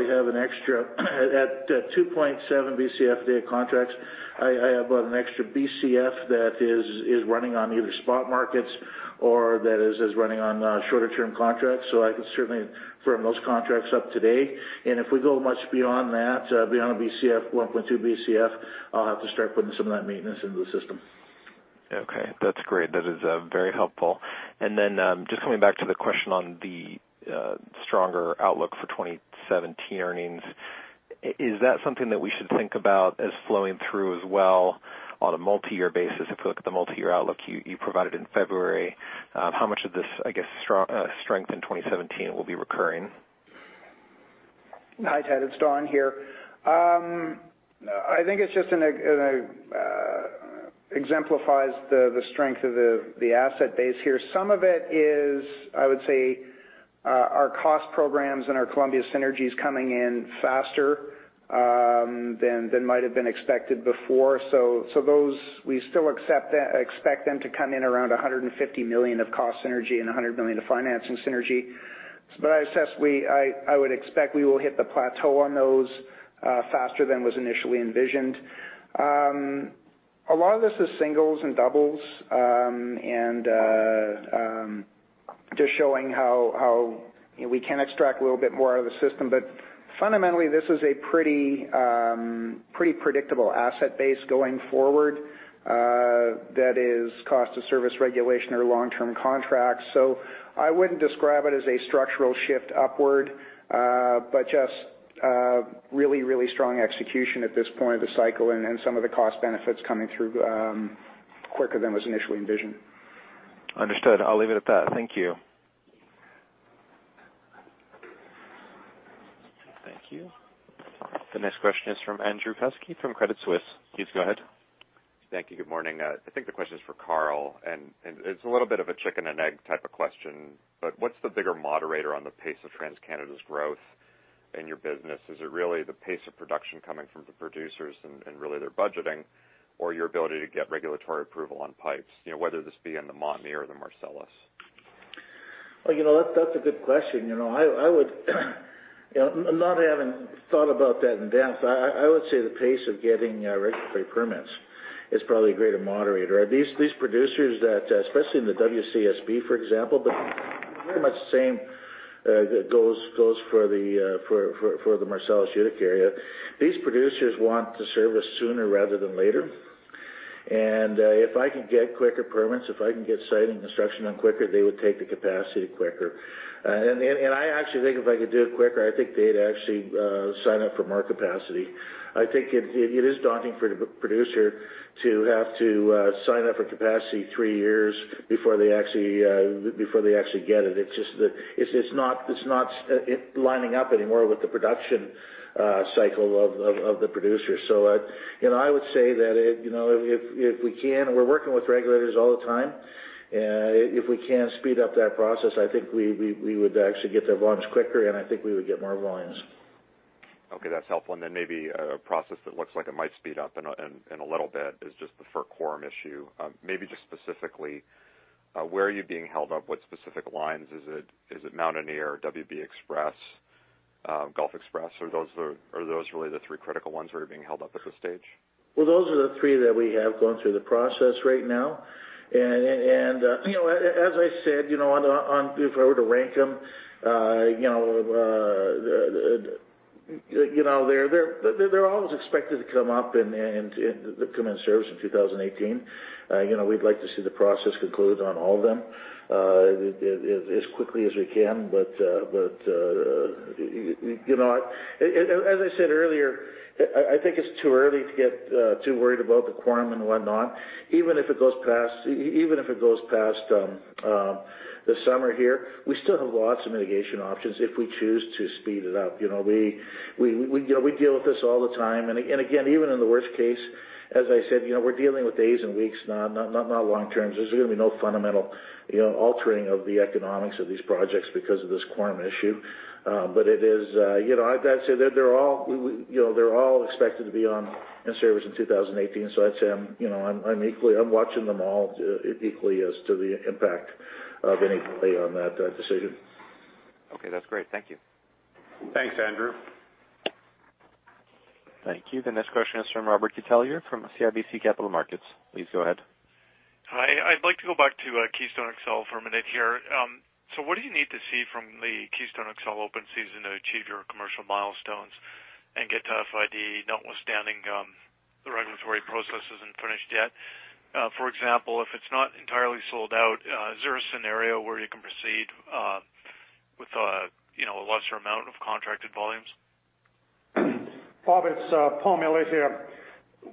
Bcf/day of contracts, I have about a Bcf that is running on either spot markets or that is running on shorter-term contracts, so I can certainly firm those contracts up today. If we go much beyond that, beyond a Bcf, 1.2 Bcf, I will have to start putting some of that maintenance into the system. That is great. That is very helpful. Then just coming back to the question on the stronger outlook for 2017 earnings, is that something that we should think about as flowing through as well on a multi-year basis? If we look at the multi-year outlook you provided in February, how much of this, I guess, strength in 2017 will be recurring? Hi, Ted. It is Don here. I think it just exemplifies the strength of the asset base here. Some of it is, I would say, our cost programs and our Columbia synergies coming in faster than might have been expected before. Those, we still expect them to come in around 150 million of cost synergy and 100 million of financing synergy. But I would expect we will hit the plateau on those faster than was initially envisioned. A lot of this is singles and doubles, and just showing how we can extract a little bit more out of the system. But fundamentally, this is a pretty predictable asset base going forward that is cost of service regulation or long-term contracts. I wouldn't describe it as a structural shift upward, but just really strong execution at this point of the cycle and some of the cost benefits coming through quicker than was initially envisioned. Understood. I'll leave it at that. Thank you. Thank you. The next question is from Andrew Kuske from Credit Suisse. Please go ahead. Thank you. Good morning. I think the question is for Karl, it's a little bit of a chicken and egg type of question, what's the bigger moderator on the pace of TransCanada's growth in your business? Is it really the pace of production coming from the producers and really their budgeting or your ability to get regulatory approval on pipes? Whether this be in the Montney or the Marcellus. That's a good question. Not having thought about that in-depth, I would say the pace of getting regulatory permits is probably a greater moderator. These producers that, especially in the WCSB, for example, but very much the same goes for the Marcellus Utica area. These producers want the service sooner rather than later. If I can get quicker permits, if I can get [site construction] on quicker, they would take the capacity quicker. I actually think if I could do it quicker, I think they'd actually sign up for more capacity. I think it is daunting for the producer to have to sign up for capacity 3 years before they actually get it. It's not lining up anymore with the production cycle of the producer. I would say that if we can, we're working with regulators all the time, if we can speed up that process, I think we would actually get their volumes quicker, and I think we would get more volumes. Okay, that's helpful. A process that looks like it might speed up in a little bit is just the FERC quorum issue. Specifically, where are you being held up? What specific lines? Is it Montney or WB XPress, Gulf XPress? Are those really the three critical ones that are being held up at this stage? Those are the three that we have going through the process right now. As I said, if I were to rank them, they're always expected to come up and come in service in 2018. We'd like to see the process conclude on all of them as quickly as we can. As I said earlier, I think it's too early to get too worried about the quorum and whatnot. Even if it goes past the summer here, we still have lots of mitigation options if we choose to speed it up. We deal with this all the time. Even in the worst case, as I said, we're dealing with days and weeks, not long-term. There's really no fundamental altering of the economics of these projects because of this quorum issue. I'd say that they're all expected to be in service in 2018. I'd say I'm watching them all equally as to the impact of any delay on that decision. Okay, that's great. Thank you. Thanks, Andrew. Thank you. The next question is from Robert Catellier from CIBC Capital Markets. Please go ahead. Hi. I'd like to go back to Keystone XL for a minute here. What do you need to see from the Keystone XL open season to achieve your commercial milestones and get to FID, notwithstanding the regulatory process isn't finished yet? For example, if it's not entirely sold out, is there a scenario where you can proceed with a lesser amount of contracted volumes? Robert, it's Paul Miller here.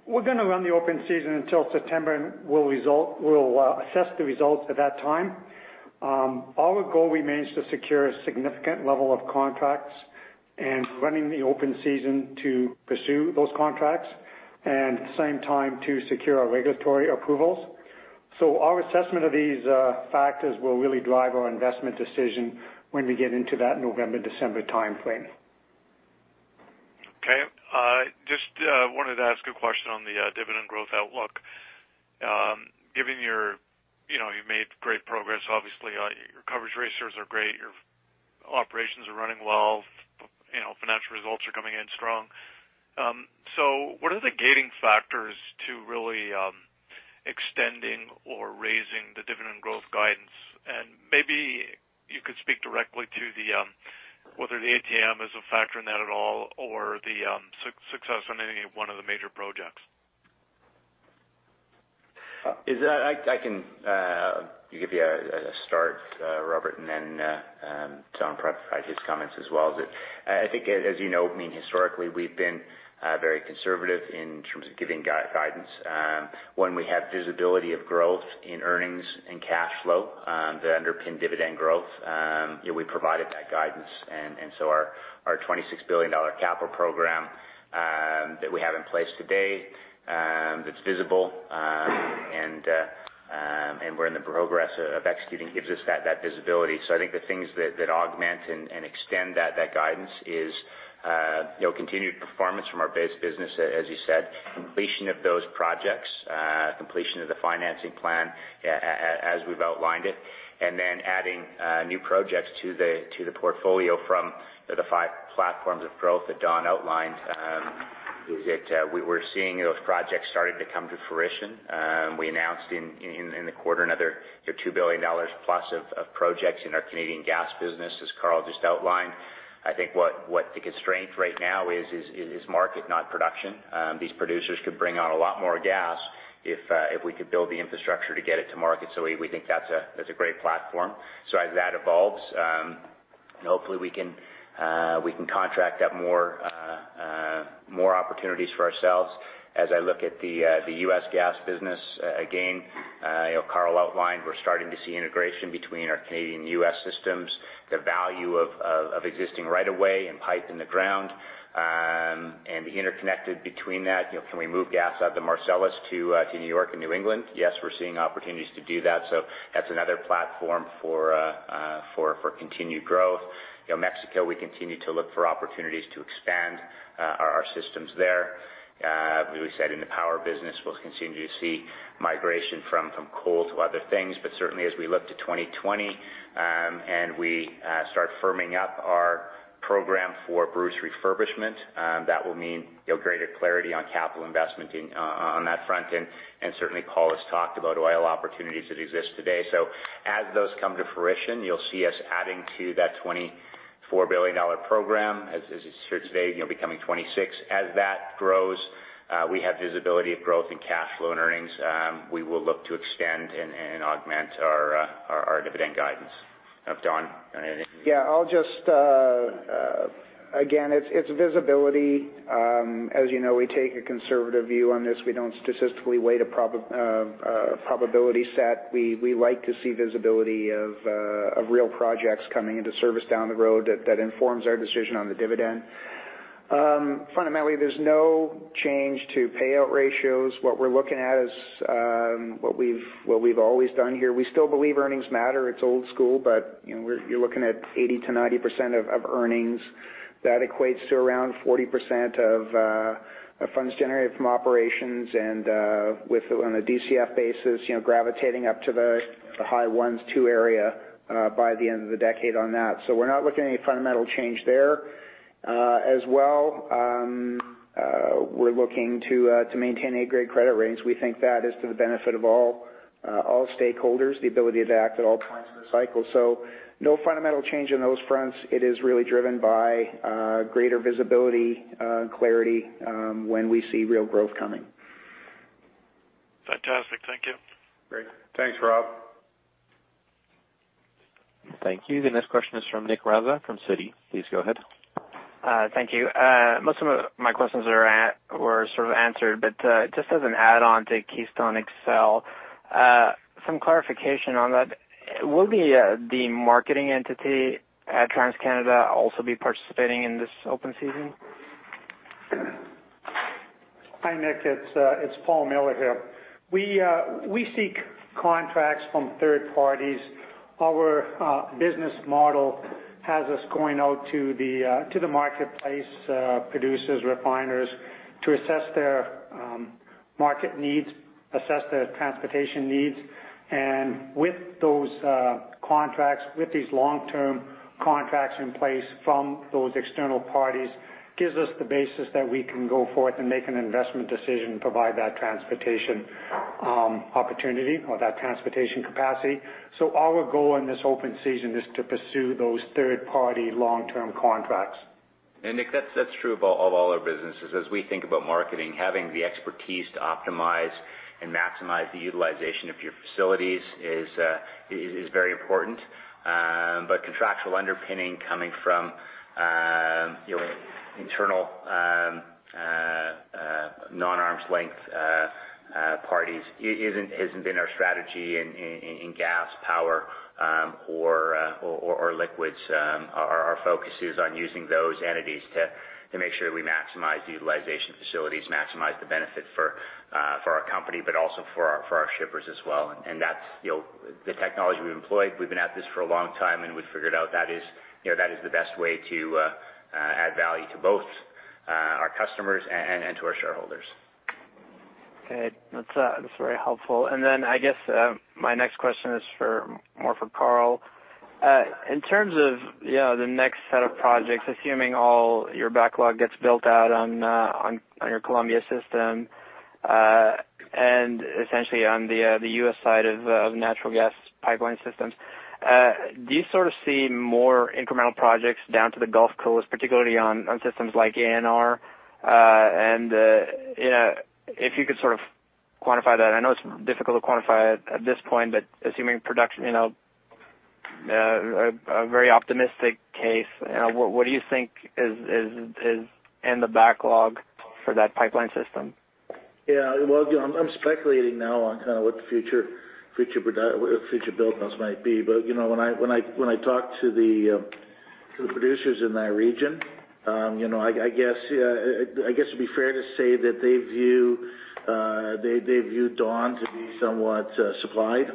We're going to run the open season until September, and we'll assess the results at that time. Our goal remains to secure a significant level of contracts and running the open season to pursue those contracts, and at the same time, to secure our regulatory approvals. Our assessment of these factors will really drive our investment decision when we get into that November, December timeframe. Just wanted to ask a question on the dividend growth outlook. Given you made great progress, obviously, your coverage ratios are great. Your operations are running well. Financial results are coming in strong. What are the gating factors to really extending or raising the dividend growth guidance? Maybe you could speak directly to whether the ATM is a factor in that at all, or the success on any one of the major projects. I can give you a start, Robert, and then Don provide his comments as well. I think as you know, historically, we've been very conservative in terms of giving guidance. When we have visibility of growth in earnings and cash flow that underpin dividend growth, we provided that guidance. Our 26 billion dollar capital program that we have in place today, that's visible, and we're in the progress of executing, gives us that visibility. I think the things that augment and extend that guidance is continued performance from our base business, as you said, completion of those projects, completion of the financing plan as we've outlined it, and then adding new projects to the portfolio from the five platforms of growth that Don outlined, is that we're seeing those projects starting to come to fruition. We announced in the quarter another 2 billion dollars plus of projects in our Canadian gas business, as Karl just outlined. I think what the constraint right now is market, not production. These producers could bring on a lot more gas if we could build the infrastructure to get it to market. We think that's a great platform. As that evolves, hopefully we can contract out more opportunities for ourselves. As I look at the U.S. gas business, again Karl outlined, we're starting to see integration between our Canadian and U.S. systems, the value of existing right of way and pipe in the ground, and interconnected between that, can we move gas out of the Marcellus to New York and New England? Yes, we're seeing opportunities to do that. That's another platform for continued growth. Mexico, we continue to look for opportunities to expand our systems there. We said, in the power business, we'll continue to see migration from coal to other things. Certainly as we look to 2020, and we start firming up our program for Bruce refurbishment, that will mean greater clarity on capital investment on that front. Certainly, Paul has talked about oil opportunities that exist today. As those come to fruition, you'll see us adding to that 24 billion dollar program. As you heard today, becoming 26 billion. That grows, we have visibility of growth in cash flow and earnings. We will look to extend and augment our dividend guidance. Don, anything? Yeah. Again, it's visibility. You know, we take a conservative view on this. We don't statistically weight a probability set. We like to see visibility of real projects coming into service down the road that informs our decision on the dividend. Fundamentally, there's no change to payout ratios. What we're looking at is what we've always done here. We still believe earnings matter. It's old school, but you're looking at 80%-90% of earnings. That equates to around 40% of funds generated from operations and on a DCF basis, gravitating up to the [high 1.2x area], by the end of the decade on that. We're not looking at any fundamental change there. Well, we're looking to maintain A-grade credit ratings. We think that is to the benefit of all stakeholders, the ability to act at all points in the cycle. No fundamental change on those fronts. It is really driven by greater visibility and clarity when we see real growth coming. Fantastic. Thank you. Great. Thanks, Rob. Thank you. The next question is from Nick Raza from Citi. Please go ahead. Thank you. Most of my questions were sort of answered, but just as an add-on to Keystone XL, some clarification on that. Will the marketing entity at TransCanada also be participating in this open season? Hi, Nick, it's Paul Miller here. We seek contracts from third parties. Our business model has us going out to the marketplace producers, refiners, to assess their market needs, assess their transportation needs, and with these long-term contracts in place from those external parties, gives us the basis that we can go forth and make an investment decision to provide that transportation opportunity or that transportation capacity. Our goal in this open season is to pursue those third-party long-term contracts. Nick, that's true of all our businesses. As we think about marketing, having the expertise to optimize and maximize the utilization of your facilities is very important. Contractual underpinning coming from internal non-arm's length parties hasn't been our strategy in gas, power, or liquids. Our focus is on using those entities to make sure we maximize the utilization facilities, maximize the benefit for our company, but also for our shippers as well, that's the technology we've employed. We've been at this for a long time, we've figured out that is the best way to add value to both our customers and to our shareholders. Okay. That's very helpful. I guess my next question is more for Karl. In terms of the next set of projects, assuming all your backlog gets built out on your Columbia system, essentially on the U.S. side of natural gas pipeline systems, do you sort of see more incremental projects down to the Gulf Coast, particularly on systems like ANR? If you could sort of quantify that. I know it's difficult to quantify at this point, but assuming production, a very optimistic case, what do you think is in the backlog for that pipeline system? Yeah. Well, I'm speculating now on what the future build-outs might be, when I talk to the producers in that region, I guess it'd be fair to say that they view Dawn to be somewhat supplied,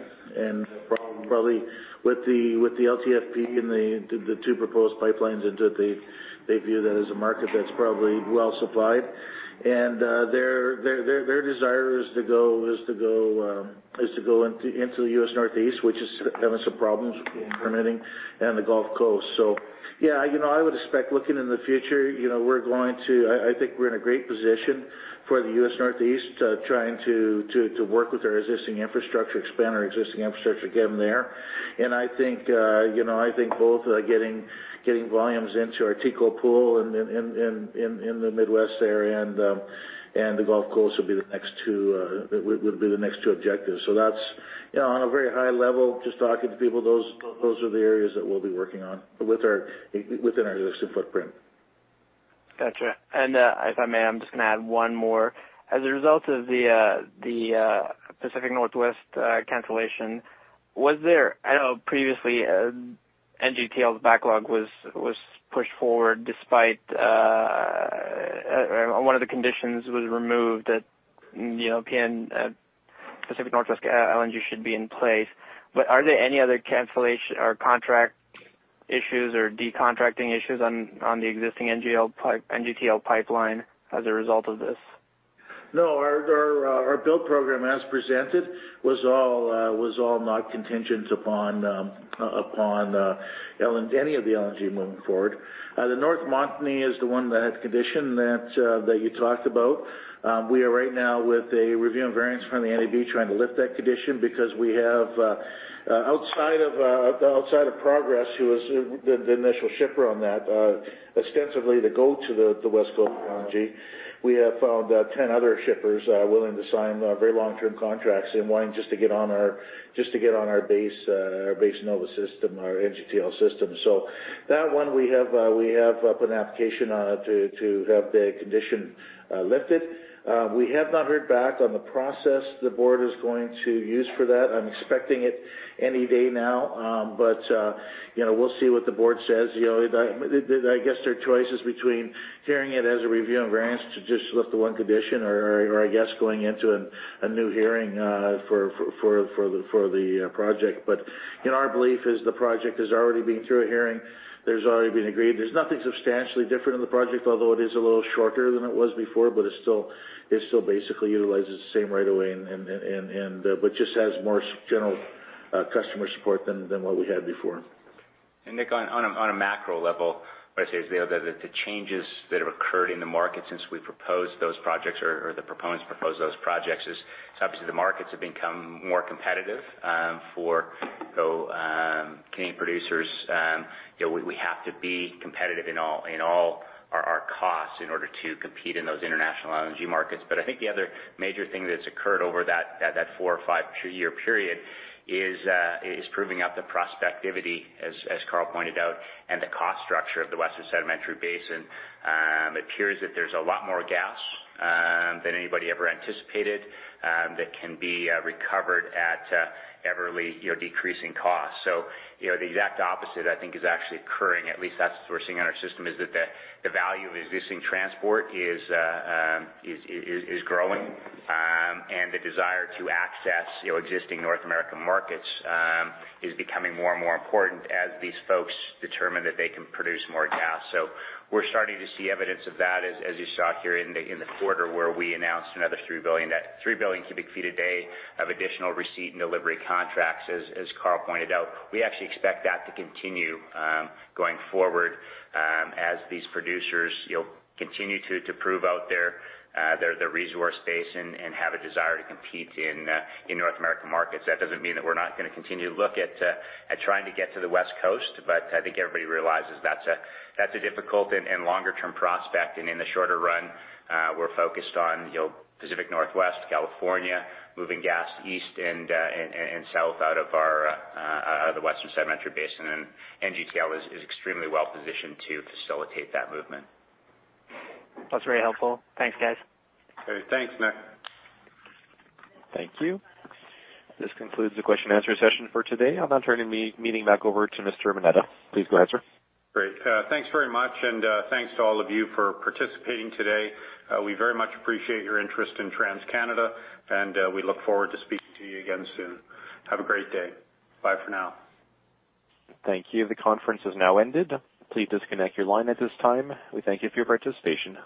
probably with the LTFP and the two proposed pipelines into it, they view that as a market that's probably well supplied. Their desire is to go into the U.S. Northeast, which is having some problems with permitting, the Gulf Coast. Yeah, I would expect looking in the future, I think we're in a great position for the U.S. Northeast, trying to work with our existing infrastructure, expand our existing infrastructure again there. I think both getting volumes into our TCO pool and in the Midwest area and the Gulf Coast would be the next two objectives. That's on a very high level, just talking to people, those are the areas that we'll be working on within our existing footprint. Gotcha. If I may, I'm just going to add one more. As a result of the Pacific Northwest cancellation, previously, NGTL's backlog was pushed forward despite one of the conditions was removed that Pacific Northwest LNG should be in place. Are there any other cancellation or contract issues or de-contracting issues on the existing NGTL pipeline as a result of this? No, our build program, as presented, was all not contingent upon any of the LNG moving forward. The North Montney is the one that had the condition that you talked about. We are right now with a review and variance from the NEB, trying to lift that condition because we have, outside of Progress, who was the initial shipper on that, ostensibly to go to the West Coast with LNG. We have found 10 other shippers willing to sign very long-term contracts and wanting just to get on our base Nova system, our NGTL System. That one, we have put an application on it to have the condition lifted. We have not heard back on the process the board is going to use for that. I'm expecting it any day now. We'll see what the board says. I guess their choice is between hearing it as a review and variance to just lift the one condition or, I guess, going into a new hearing for the project. Our belief is the project has already been through a hearing. There's already been agreement. There's nothing substantially different in the project, although it is a little shorter than it was before, but it still basically utilizes the same right-of-way, but just has more general customer support than what we had before. Nick, on a macro level, what I'd say is the changes that have occurred in the market since we proposed those projects or the proponents proposed those projects is, obviously, the markets have become more competitive for Canadian producers. We have to be competitive in all our costs in order to compete in those international LNG markets. I think the other major thing that's occurred over that four or five-year period is proving out the prospectivity, as Karl pointed out, and the cost structure of the Western Canadian Sedimentary Basin. It appears that there's a lot more gas than anybody ever anticipated that can be recovered at everly decreasing costs. The exact opposite, I think, is actually occurring. At least that's what we're seeing in our system, is that the value of existing transport is growing, and the desire to access existing North American markets is becoming more and more important as these folks determine that they can produce more gas. We're starting to see evidence of that, as you saw here in the quarter where we announced another three billion cubic feet a day of additional receipt and delivery contracts, as Karl pointed out. We actually expect that to continue going forward as these producers continue to prove out their resource base and have a desire to compete in North American markets. That doesn't mean that we're not going to continue to look at trying to get to the West Coast, but I think everybody realizes that's a difficult and longer-term prospect. In the shorter run, we're focused on Pacific Northwest, California, moving gas east and south out of the Western Canadian Sedimentary Basin, and NGTL is extremely well-positioned to facilitate that movement. That's very helpful. Thanks, guys. Okay. Thanks, Faisel. Thank you. This concludes the question and answer session for today. I'll now turn the meeting back over to Mr. Moneta. Please go ahead, sir. Great. Thanks very much, thanks to all of you for participating today. We very much appreciate your interest in TransCanada, and we look forward to speaking to you again soon. Have a great day. Bye for now. Thank you. The conference has now ended. Please disconnect your line at this time. We thank you for your participation.